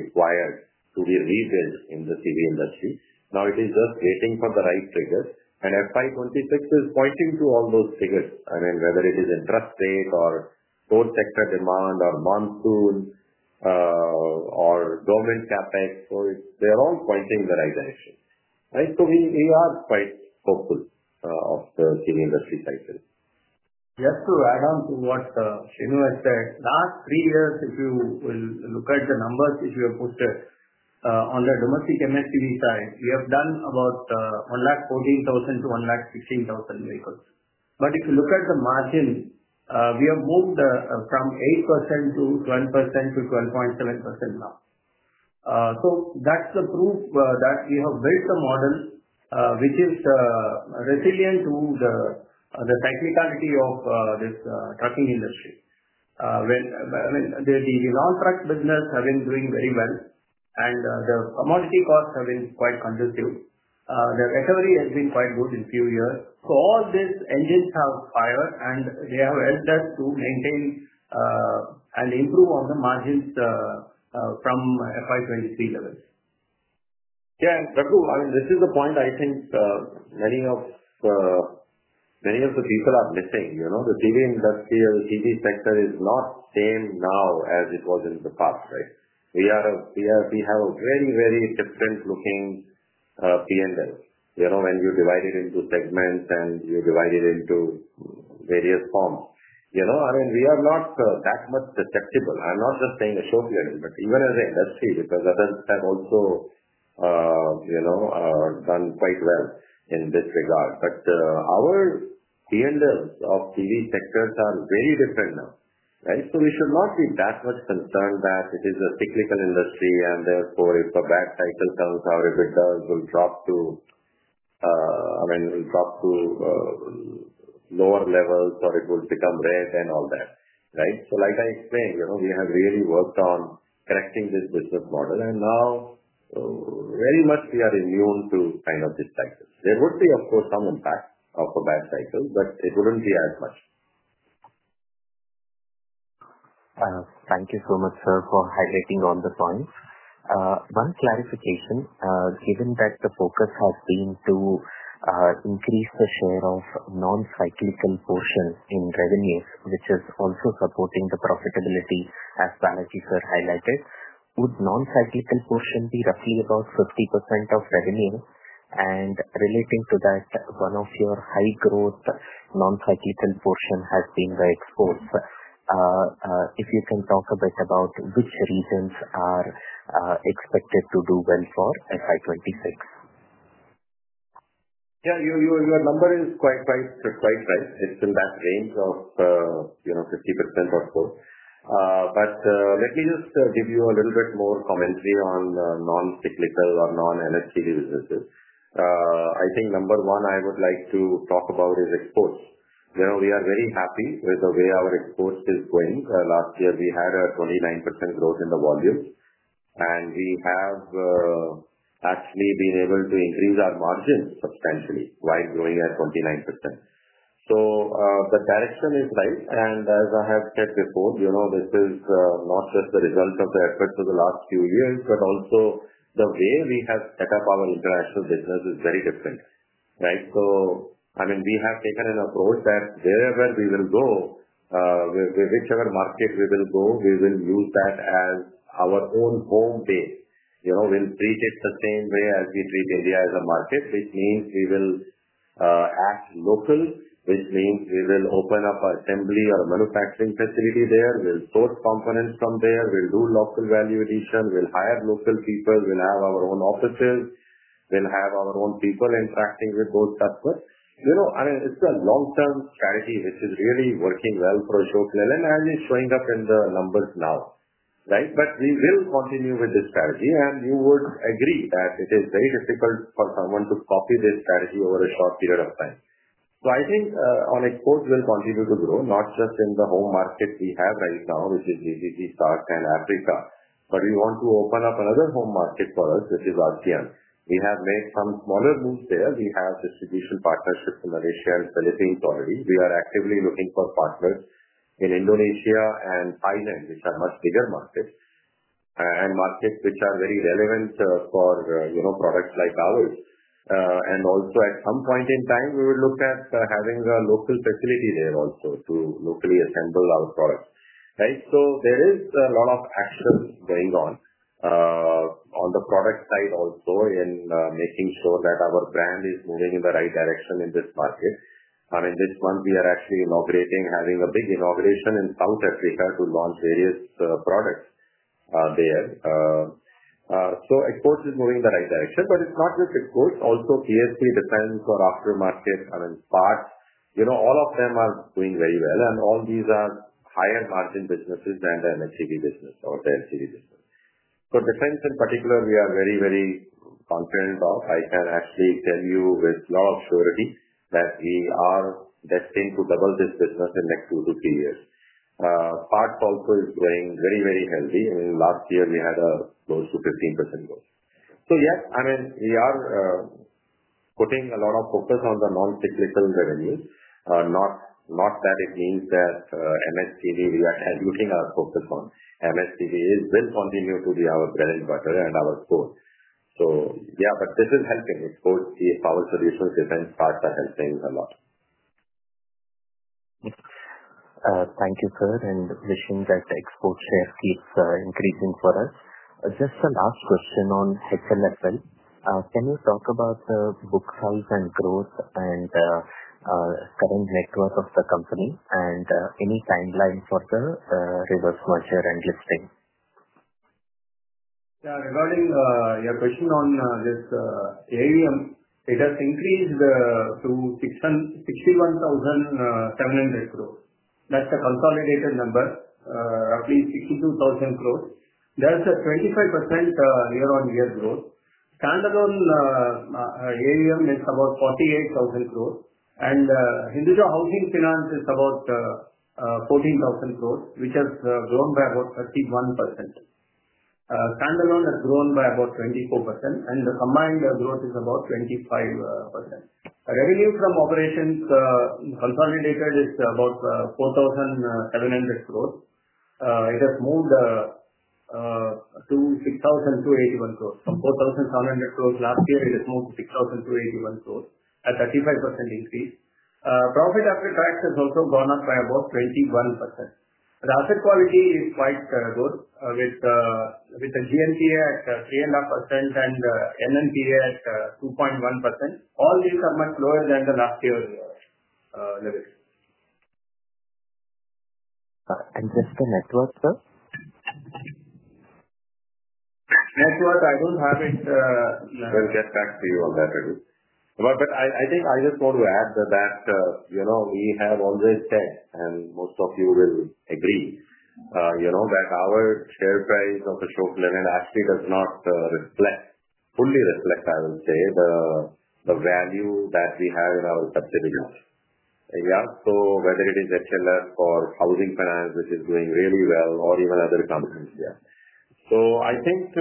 required to be rebuilt in the CV industry. Now, it is just waiting for the right triggers, and FY 2026 is pointing to all those triggers. I mean, whether it is interest rate or sector demand or monsoon or government CapEx, they are all pointing in the right direction. Right? We are quite hopeful of the CV industry cycle. Just to add on to what Shenu has said, last three years, if you will look at the numbers which we have posted on the domestic MHCV side, we have done about 114,000-116,000 vehicles. If you look at the margin, we have moved from 8% to 12% to 12.7% now. That is the proof that we have built a model which is resilient to the cyclicality of this trucking industry. I mean, the non-truck business has been doing very well, and the commodity costs have been quite conducive. The recovery has been quite good in a few years. All these engines have fired, and they have helped us to maintain and improve on the margins from FY 2023 levels. Yeah, Raghu, I mean, this is the point I think many of the people are missing. The CV industry or the CV sector is not the same now as it was in the past. Right? We have a very, very different looking P&L. When you divide it into segments and you divide it into various forms, I mean, we are not that much susceptible. I'm not just saying Ashok Leyland here, but even as an industry, because others have also done quite well in this regard. Our P&Ls of CV sectors are very different now. Right? We should not be that much concerned that it is a cyclical industry, and therefore, if a bad cycle comes out, if it does, it will drop to, I mean, it will drop to lower levels or it will become red and all that. Right? Like I explained, we have really worked on correcting this business model, and now very much we are immune to kind of this cycle. There would be, of course, some impact of a bad cycle, but it would not be as much. Thank you so much, sir, for highlighting all the points. One clarification, given that the focus has been to increase the share of non-cyclical portion in revenues, which is also supporting the profitability, as Balaji sir highlighted, would non-cyclical portion be roughly about 50% of revenue? Relating to that, one of your high-growth non-cyclical portion has been the exports. If you can talk a bit about which regions are expected to do well for FY 2026. Yeah, your number is quite right. It is in that range of 50% or so. Let me just give you a little bit more commentary on non-cyclical or non-MHCV businesses. I think number one I would like to talk about is exports. We are very happy with the way our exports are going. Last year, we had a 29% growth in the volumes, and we have actually been able to increase our margins substantially while growing at 29%. The direction is right, and as I have said before, this is not just the result of the efforts of the last few years, but also the way we have set up our international business is very different. Right? I mean, we have taken an approach that wherever we will go, whichever market we will go, we will use that as our own home base. We will treat it the same way as we treat India as a market, which means we will act local, which means we will open up an assembly or a manufacturing facility there. We'll source components from there. We'll do local value addition. We'll hire local people. We'll have our own offices. We'll have our own people interacting with those customers. I mean, it's a long-term strategy which is really working well for Ashok Leyland, and it's showing up in the numbers now. Right? We will continue with this strategy, and you would agree that it is very difficult for someone to copy this strategy over a short period of time. I think our exports will continue to grow, not just in the home market we have right now, which is GCC and Africa, but we want to open up another home market for us, which is ASEAN. We have made some smaller moves there. We have distribution partnerships in Malaysia and Philippines already. We are actively looking for partners in Indonesia and Thailand, which are much bigger markets and markets which are very relevant for products like ours. At some point in time, we will look at having a local facility there also to locally assemble our products. Right? There is a lot of action going on on the product side also in making sure that our brand is moving in the right direction in this market. I mean, this month, we are actually inaugurating, having a big inauguration in South Africa to launch various products there. Exports are moving in the right direction, but it is not just exports. Also, BSP, defense, or aftermarket, I mean, parts, all of them are doing very well, and all these are higher-margin businesses than the MHCV business or the LCV business. Defense in particular, we are very, very confident of. I can actually tell you with a lot of surety that we are destined to double this business in the next two to three years. Parts also is growing very, very healthy. I mean, last year, we had a close to 15% growth. Yes, I mean, we are putting a lot of focus on the non-cyclical revenues. Not that it means that MHCV, we are diluting our focus on. MHCV will continue to be our bread and butter and our source. This is helping. Exports, our solutions, defense parts are helping a lot. Thank you, sir, and wishing that export share keeps increasing for us. Just a last question on HLF as well. Can you talk about the book size and growth and current net worth of the company and any timeline for the reverse merger and listing? Yeah, regarding your question on this AUM, it has increased to 61,700 crore. That's a consolidated number, roughly 62,000 crore. There's a 25% year-on-year growth. Standalone AUM is about 48,000 crore, and Hinduja Housing Finance is about 14,000 crore, which has grown by about 31%. Standalone has grown by about 24%, and the combined growth is about 25%. Revenue from operations consolidated is about 4,700 crore. It has moved to 6,281 crore. From 4,700 crore last year, it has moved to 6,281 crore, a 35% increase. Profit after tax has also gone up by about 21%. The asset quality is quite good with the GNPA at 3.5% and NNPA at 2.1%. All these are much lower than the last year levels. Just the net worth, sir? Net worth, I don't have it. We'll get back to you on that, Raghu. I think I just want to add that we have always said, and most of you will agree, that our share price of Ashok Leyland actually does not fully reflect, I would say, the value that we have in our subdivisions. Yeah? Whether it is HLF or Housing Finance, which is doing really well, or even other companies. Yeah? I think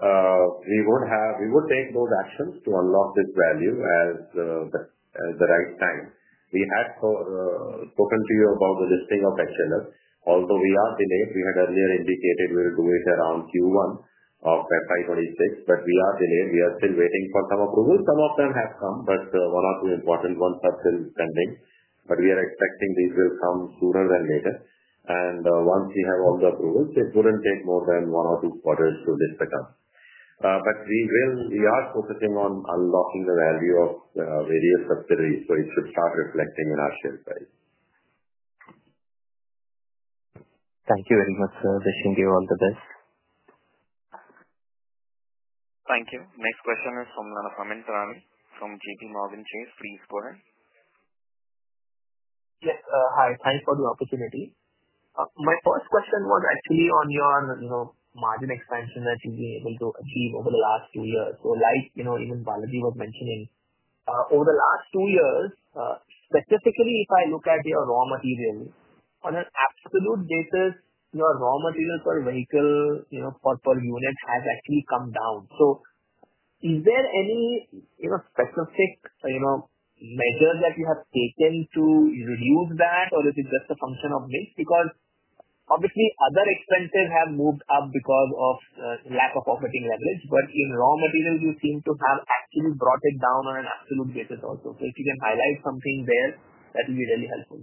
we would take those actions to unlock this value at the right time. We had spoken to you about the listing of HLF. Although we are delayed, we had earlier indicated we will do it around Q1 of FY 2026, but we are delayed. We are still waiting for some approvals. Some of them have come, but one or two important ones are still pending. We are expecting these will come sooner than later. Once we have all the approvals, it would not take more than one or two quarters to list the companies. We are focusing on unlocking the value of various subsidiaries, so it should start reflecting in our share price. Thank you very much, sir. Wishing you all the best. Thank you. Next question is from Nana Amyn Pirani from JP Morgan Chase. Please go ahead. Yes, hi. Thanks for the opportunity. My first question was actually on your margin expansion that you have been able to achieve over the last two years. Like even Balaji was mentioning, over the last two years, specifically if I look at your raw materials, on an absolute basis, your raw materials per vehicle, per unit has actually come down. Is there any specific measure that you have taken to reduce that, or is it just a function of mix? Because obviously, other expenses have moved up because of lack of operating leverage, but in raw materials, you seem to have actually brought it down on an absolute basis also. If you can highlight something there, that would be really helpful.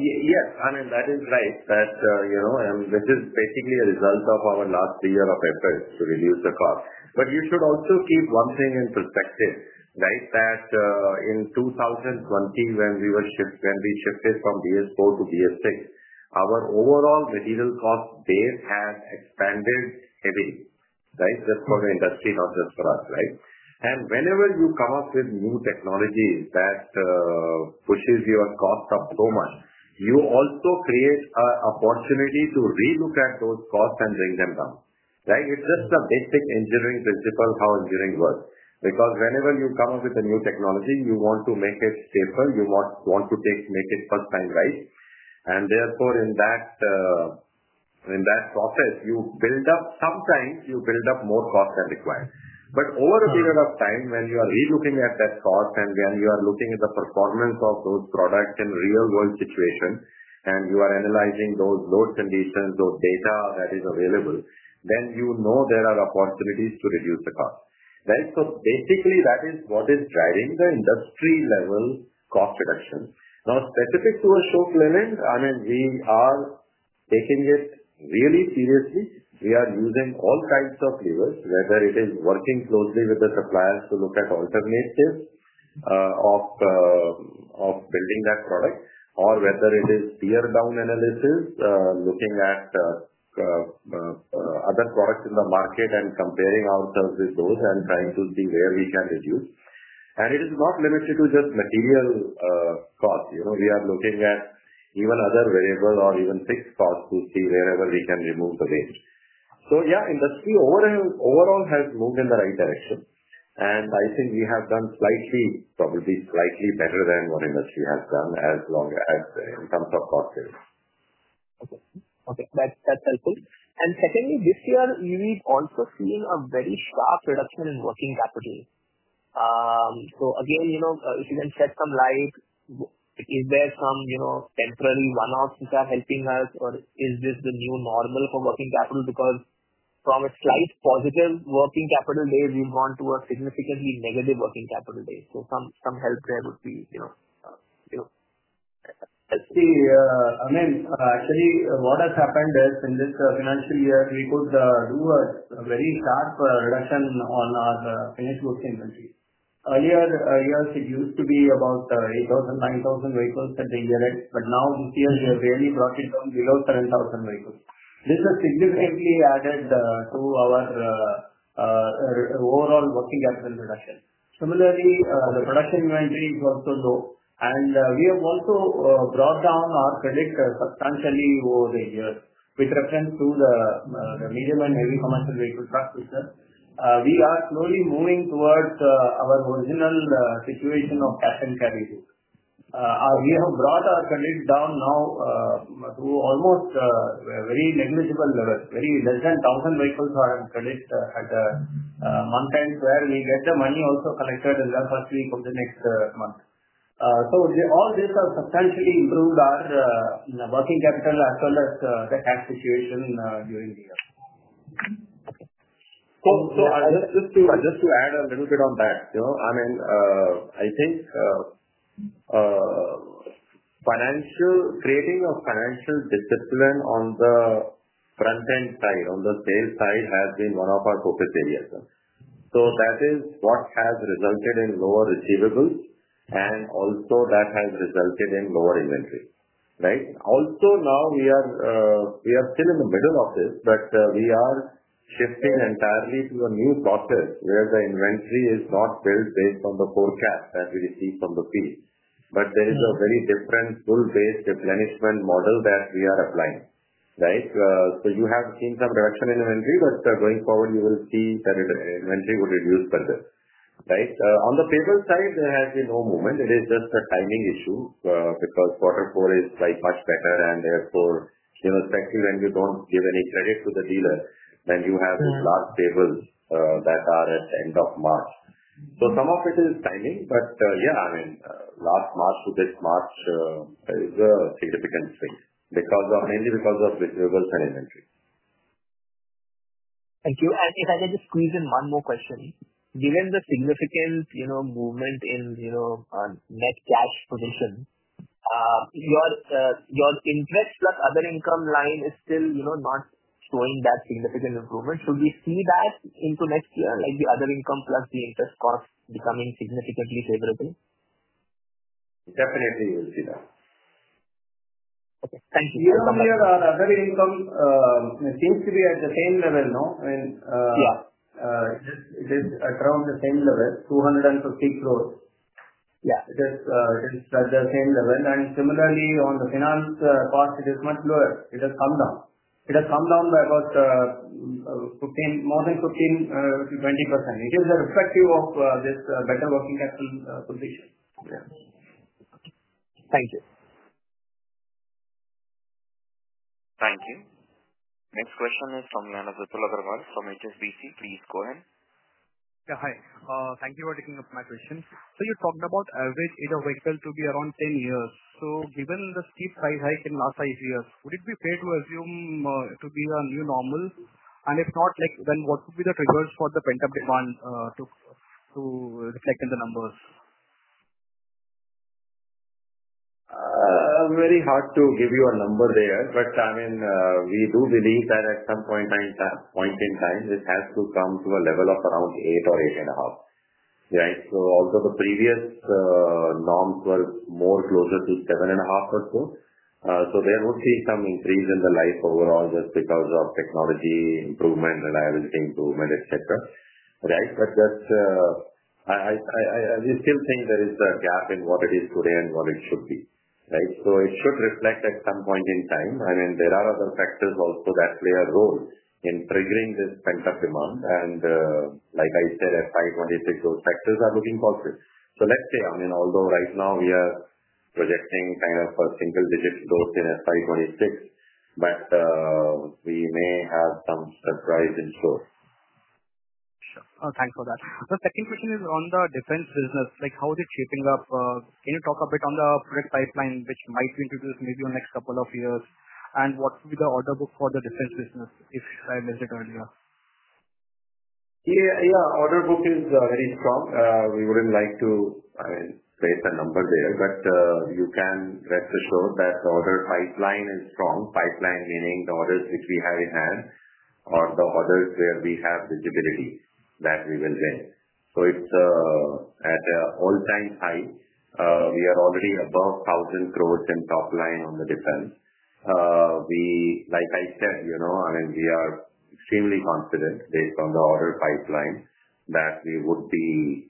Yes, I mean, that is right. This is basically a result of our last three years of efforts to reduce the cost. You should also keep one thing in perspective, right, that in 2020, when we shifted from BS IV to BS VI, our overall material cost base had expanded heavily, right? Just for the industry, not just for us, right? Whenever you come up with new technologies that push your cost up so much, you also create an opportunity to relook at those costs and bring them down, right? It is just a basic engineering principle of how engineering works. Because whenever you come up with a new technology, you want to make it stable. You want to make it first-time right. In that process, you build up, sometimes you build up more cost than required. Over a period of time, when you are relooking at that cost and when you are looking at the performance of those products in real-world situations, and you are analyzing those load conditions, those data that are available, then you know there are opportunities to reduce the cost. Right? Basically, that is what is driving the industry-level cost reduction. Now, specific to Ashok Leyland, I mean, we are taking it really seriously. We are using all kinds of levers, whether it is working closely with the suppliers to look at alternatives of building that product, or whether it is tear-down analysis, looking at other products in the market and comparing ourselves with those and trying to see where we can reduce. It is not limited to just material costs. We are looking at even other variables or even fixed costs to see wherever we can remove the weight. Yeah, industry overall has moved in the right direction. I think we have done slightly, probably slightly better than what industry has done as long as in terms of cost savings. Okay. Okay. That is helpful. Secondly, this year, we have also seen a very sharp reduction in working capital. Again, if you can shed some light, is there some temporary one-offs which are helping us, or is this the new normal for working capital? Because from a slight positive working capital day, we've gone to a significantly negative working capital day. Some help there would be helpful. See, Amyn, actually, what has happened is in this financial year, we could do a very sharp reduction on our finished goods inventory. Earlier years, it used to be about 8,000-9,000 vehicles at the year-end, but now this year, we have barely brought it down below 7,000 vehicles. This has significantly added to our overall working capital reduction. Similarly, the production inventory is also low, and we have also brought down our credit substantially over the years. With reference to the medium and heavy commercial vehicle trucks, we are slowly moving towards our original situation of cash and carry goods. We have brought our credit down now to almost a very negligible level. Less than 1,000 vehicles are on credit at the month-end where we get the money also collected in the first week of the next month. All this has substantially improved our working capital as well as the cash situation during the year. Just to add a little bit on that, I mean, I think creating a financial discipline on the front-end side, on the sales side, has been one of our focus areas. That is what has resulted in lower receivables, and also that has resulted in lower inventory. Right? Also, now we are still in the middle of this, but we are shifting entirely to a new process where the inventory is not built based on the forecast that we receive from the field. There is a very different full-based replenishment model that we are applying. Right? You have seen some reduction in inventory, but going forward, you will see that inventory would reduce further. Right? On the payable side, there has been no movement. It is just a timing issue because quarter four is much better, and therefore, especially when you do not give any credit to the dealer, then you have these large payrolls that are at the end of March. Some of it is timing, but yeah, I mean, last March to this March is a significant swing mainly because of receivables and inventory. Thank you. If I can just squeeze in one more question. Given the significant movement in net cash position, your interest plus other income line is still not showing that significant improvement. Should we see that into next year, the other income plus the interest costs becoming significantly favorable? Definitely, we will see that. Okay. Thank you. Year-on-year our income, it seems to be at the same level, no? I mean, it is at around the same level, 250 crore. It is at the same level. And similarly, on the finance cost, it is much lower. It has come down. It has come down by about more than 15%-20%. It is reflective of this better working capital position. Yeah. Thank you. Thank you. Next question is from Nana Vipul Agrawal from HSBC. Please go ahead. Yeah, hi. Thank you for taking up my question. You talked about average age of vehicle to be around 10 years. Given the steep price hike in the last five years, would it be fair to assume it would be a new normal? If not, then what would be the triggers for the pent-up demand to reflect in the numbers? Very hard to give you a number there, but I mean, we do believe that at some point in time, this has to come to a level of around 8 or 8.5. Although the previous norms were more closer to 7.5 or so, there would be some increase in the life overall just because of technology improvement, reliability improvement, etc. We still think there is a gap in what it is today and what it should be. It should reflect at some point in time. I mean, there are other factors also that play a role in triggering this pent-up demand. Like I said, FY 2026, those factors are looking positive. Let's say, I mean, although right now we are projecting kind of a single-digit growth in FY 2026, we may have some surprise in store. Sure. Thanks for that. The second question is on the defense business. How is it shaping up? Can you talk a bit on the product pipeline, which might be introduced maybe in the next couple of years? What will be the order book for the defense business, if I missed it earlier? Yeah. Order book is very strong. We wouldn't like to, I mean, state a number there, but you can rest assured that the order pipeline is strong. Pipeline meaning the orders which we have in hand or the orders where we have visibility that we will win. It is at an all-time high. We are already above 1,000 crore in top line on the defense. Like I said, I mean, we are extremely confident based on the order pipeline that we would be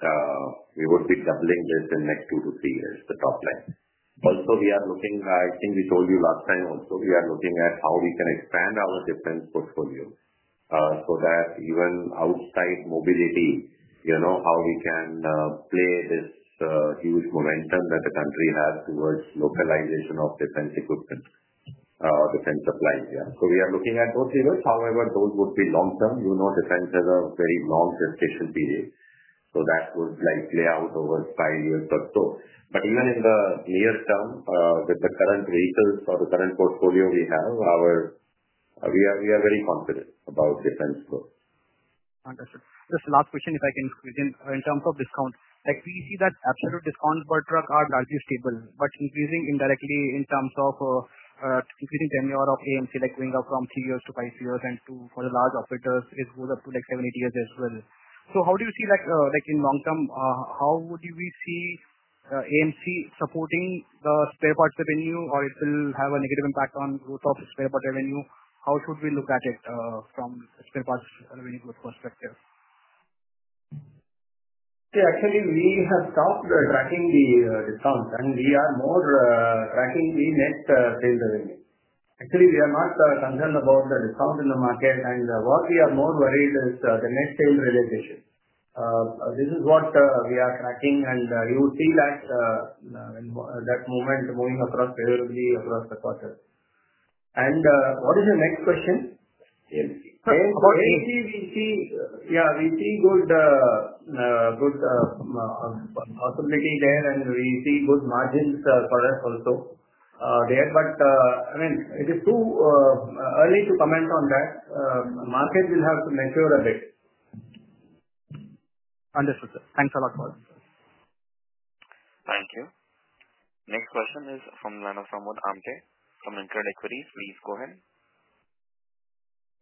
doubling this in the next two to three years, the top line. Also, we are looking—I think we told you last time also—we are looking at how we can expand our defense portfolio so that even outside mobility, how we can play this huge momentum that the country has towards localization of defense equipment or defense supplies. Yeah. We are looking at those levels. However, those would be long-term. Defense has a very long gestation period. That would play out over five years or so. Even in the near term, with the current vehicles or the current portfolio we have, we are very confident about defense growth. Understood. Just the last question, if I can squeeze in. In terms of discount, we see that absolute discounts per truck are largely stable, but increasing indirectly in terms of increasing tenure of AMC, like going up from three years to five years and for the large operators, it goes up to seven, eight years as well. How do you see in long-term, how would we see AMC supporting the spare parts revenue, or will it have a negative impact on growth of spare parts revenue? How should we look at it from the spare parts revenue growth perspective? Yeah. Actually, we have stopped tracking the discounts, and we are more tracking the net sales revenue. Actually, we are not concerned about the discount in the market, and what we are more worried is the net sales realization. This is what we are tracking, and you will see that movement moving across favorably across the quarter. What is your next question? AMC? Yeah. We see good possibility there, and we see good margins for us also there. I mean, it is too early to comment on that. Market will have to mature a bit. Understood, sir. Thanks a lot for that. Thank you. Next question is from Nana Pramod Amthe from InCred Equities. Please go ahead.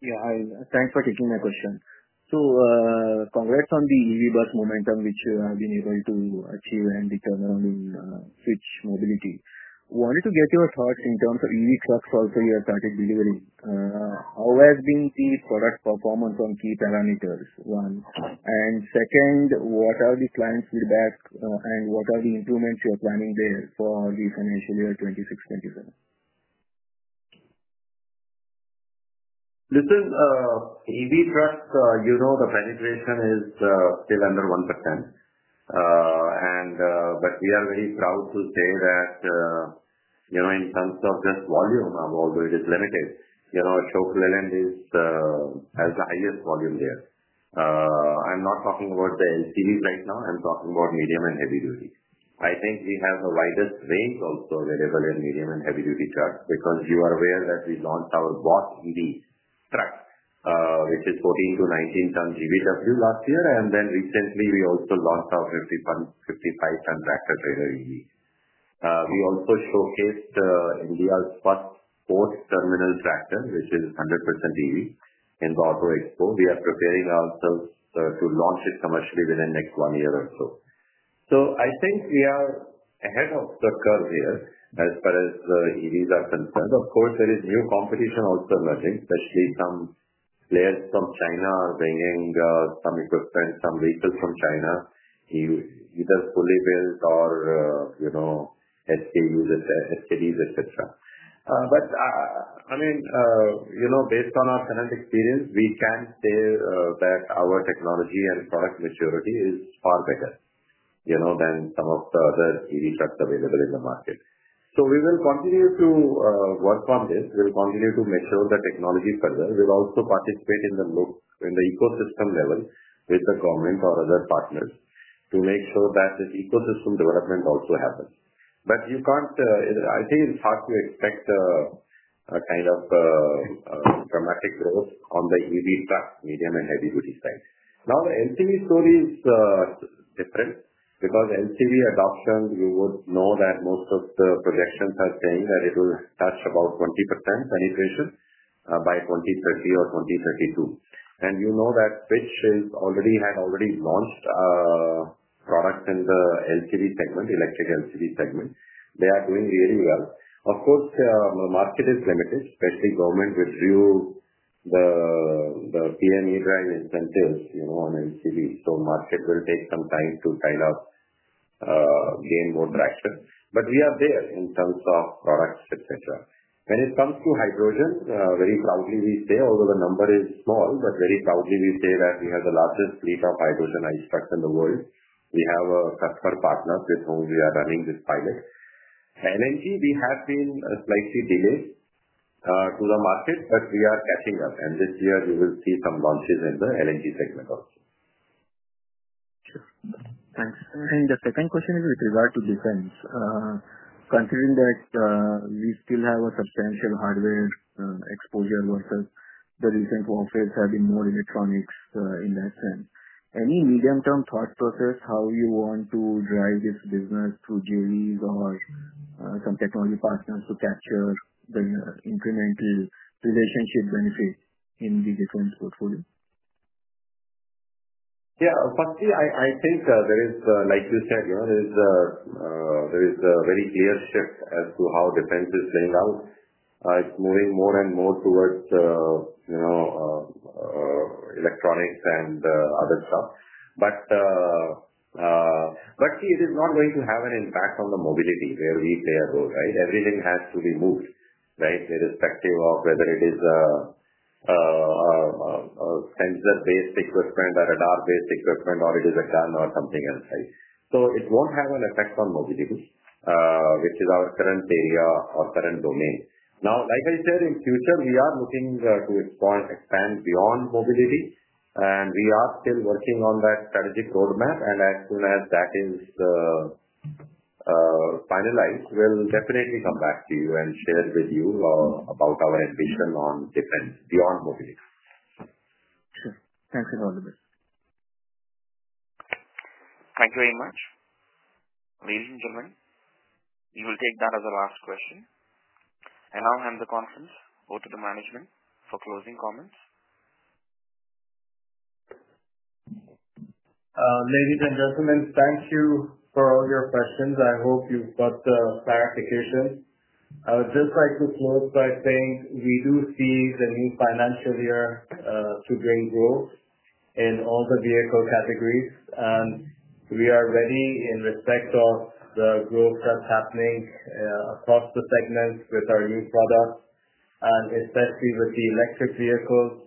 Yeah. Thanks for taking my question. Congrats on the EV bus momentum, which you have been able to achieve and return around in Switch Mobility. Wanted to get your thoughts in terms of EV trucks also you have started delivering. How has been the product performance on key parameters? One. Second, what are the client's feedback, and what are the improvements you are planning there for the financial year 2026, 2027? Listen, EV trucks, the penetration is still under 1%. We are very proud to say that in terms of just volume, although it is limited, Ashok Leyland has the highest volume there. I'm not talking about the LCVs right now. I'm talking about medium and heavy duty. I think we have the widest range also available in medium and heavy-duty trucks because you are aware that we launched our Boss EV truck, which is 14-19 tons GVW last year. Recently, we also launched our 55-ton tractor-trailer EV. We also showcased India's first port terminal tractor, which is 100% EV in the Auto Expo. We are preparing ourselves to launch it commercially within the next one year or so. I think we are ahead of the curve here as far as the EVs are concerned. Of course, there is new competition also emerging, especially some players from China are bringing some equipment, some vehicles from China, either fully built or SKDs, etc. I mean, based on our current experience, we can say that our technology and product maturity is far better than some of the other EV trucks available in the market. We will continue to work on this. We'll continue to mature the technology further. We'll also participate in the ecosystem level with the government or other partners to make sure that this ecosystem development also happens. I think it's hard to expect a kind of dramatic growth on the EV truck, medium and heavy-duty side. Now, the LCV story is different because LCV adoption, you would know that most of the projections are saying that it will touch about 20% penetration by 2030 or 2032. And you know that Switch has already launched products in the electric LCV segment. They are doing really well. Of course, the market is limited, especially government withdrew the PME drive incentives on LCV. So the market will take some time to kind of gain more traction. But we are there in terms of products, etc. When it comes to hydrogen, very proudly we say, although the number is small, but very proudly we say that we have the largest fleet of hydrogenized trucks in the world. We have customer partners with whom we are running this pilot. LNG, we have been slightly delayed to the market, but we are catching up. This year, you will see some launches in the LNG segment also. Sure. Thanks. The second question is with regard to defense. Considering that we still have a substantial hardware exposure versus the recent warfares have been more electronics in that sense, any medium-term thought process how you want to drive this business through JVs or some technology partners to capture the incremental relationship benefit in the defense portfolio? Yeah. Firstly, I think there is, like you said, a very clear shift as to how defense is playing out. It is moving more and more towards electronics and other stuff. See, it is not going to have an impact on the mobility where we play a role. Right? Everything has to be moved, right, irrespective of whether it is a sensor-based equipment, a radar-based equipment, or it is a gun or something else. Right? It won't have an effect on mobility, which is our current area or current domain. Now, like I said, in future, we are looking to expand beyond mobility, and we are still working on that strategic roadmap. As soon as that is finalized, we'll definitely come back to you and share with you about our ambition on defense beyond mobility. Sure. Thanks a lot. Thank you very much. Ladies and gentlemen, we will take that as a last question. Now, hand the conference over to the management for closing comments. Ladies and gentlemen, thank you for all your questions. I hope you've got the clarification. I would just like to close by saying we do see the new financial year to bring growth in all the vehicle categories. We are ready in respect of the growth that is happening across the segments with our new products, especially with the electric vehicles.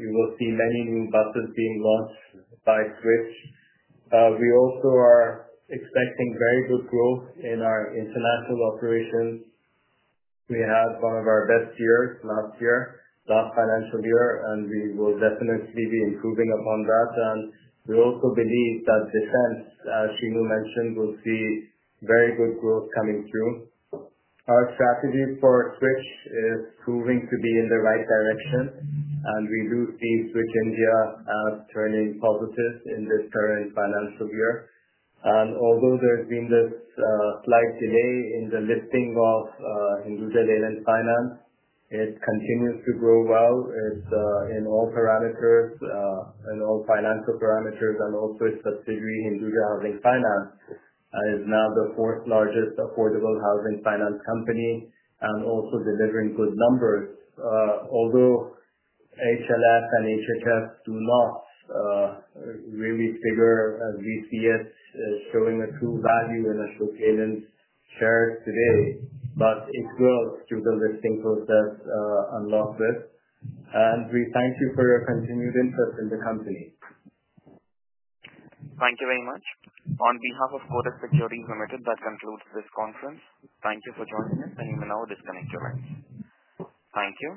You will see many new buses being launched by Switch. We also are expecting very good growth in our international operations. We had one of our best years last year, last financial year, and we will definitely be improving upon that. We also believe that defense, as Shenu mentioned, will see very good growth coming through. Our strategy for Switch is proving to be in the right direction, and we do see Switch India as turning positive in this current financial year. Although there has been this slight delay in the listing of Hinduja Leyland Finance, it continues to grow well in all parameters, in all financial parameters. Also, its subsidiary, Hinduja Housing Finance, is now the fourth-largest affordable housing finance company and also delivering good numbers. Although HLF and HHF do not really figure as we see it showing a true value in an Ashok Leyland share today, it will through the listing process unlock this. We thank you for your continued interest in the company. Thank you very much. On behalf of Kotak Securities Limited, that concludes this conference. Thank you for joining us, and you may now disconnect your lines. Thank you.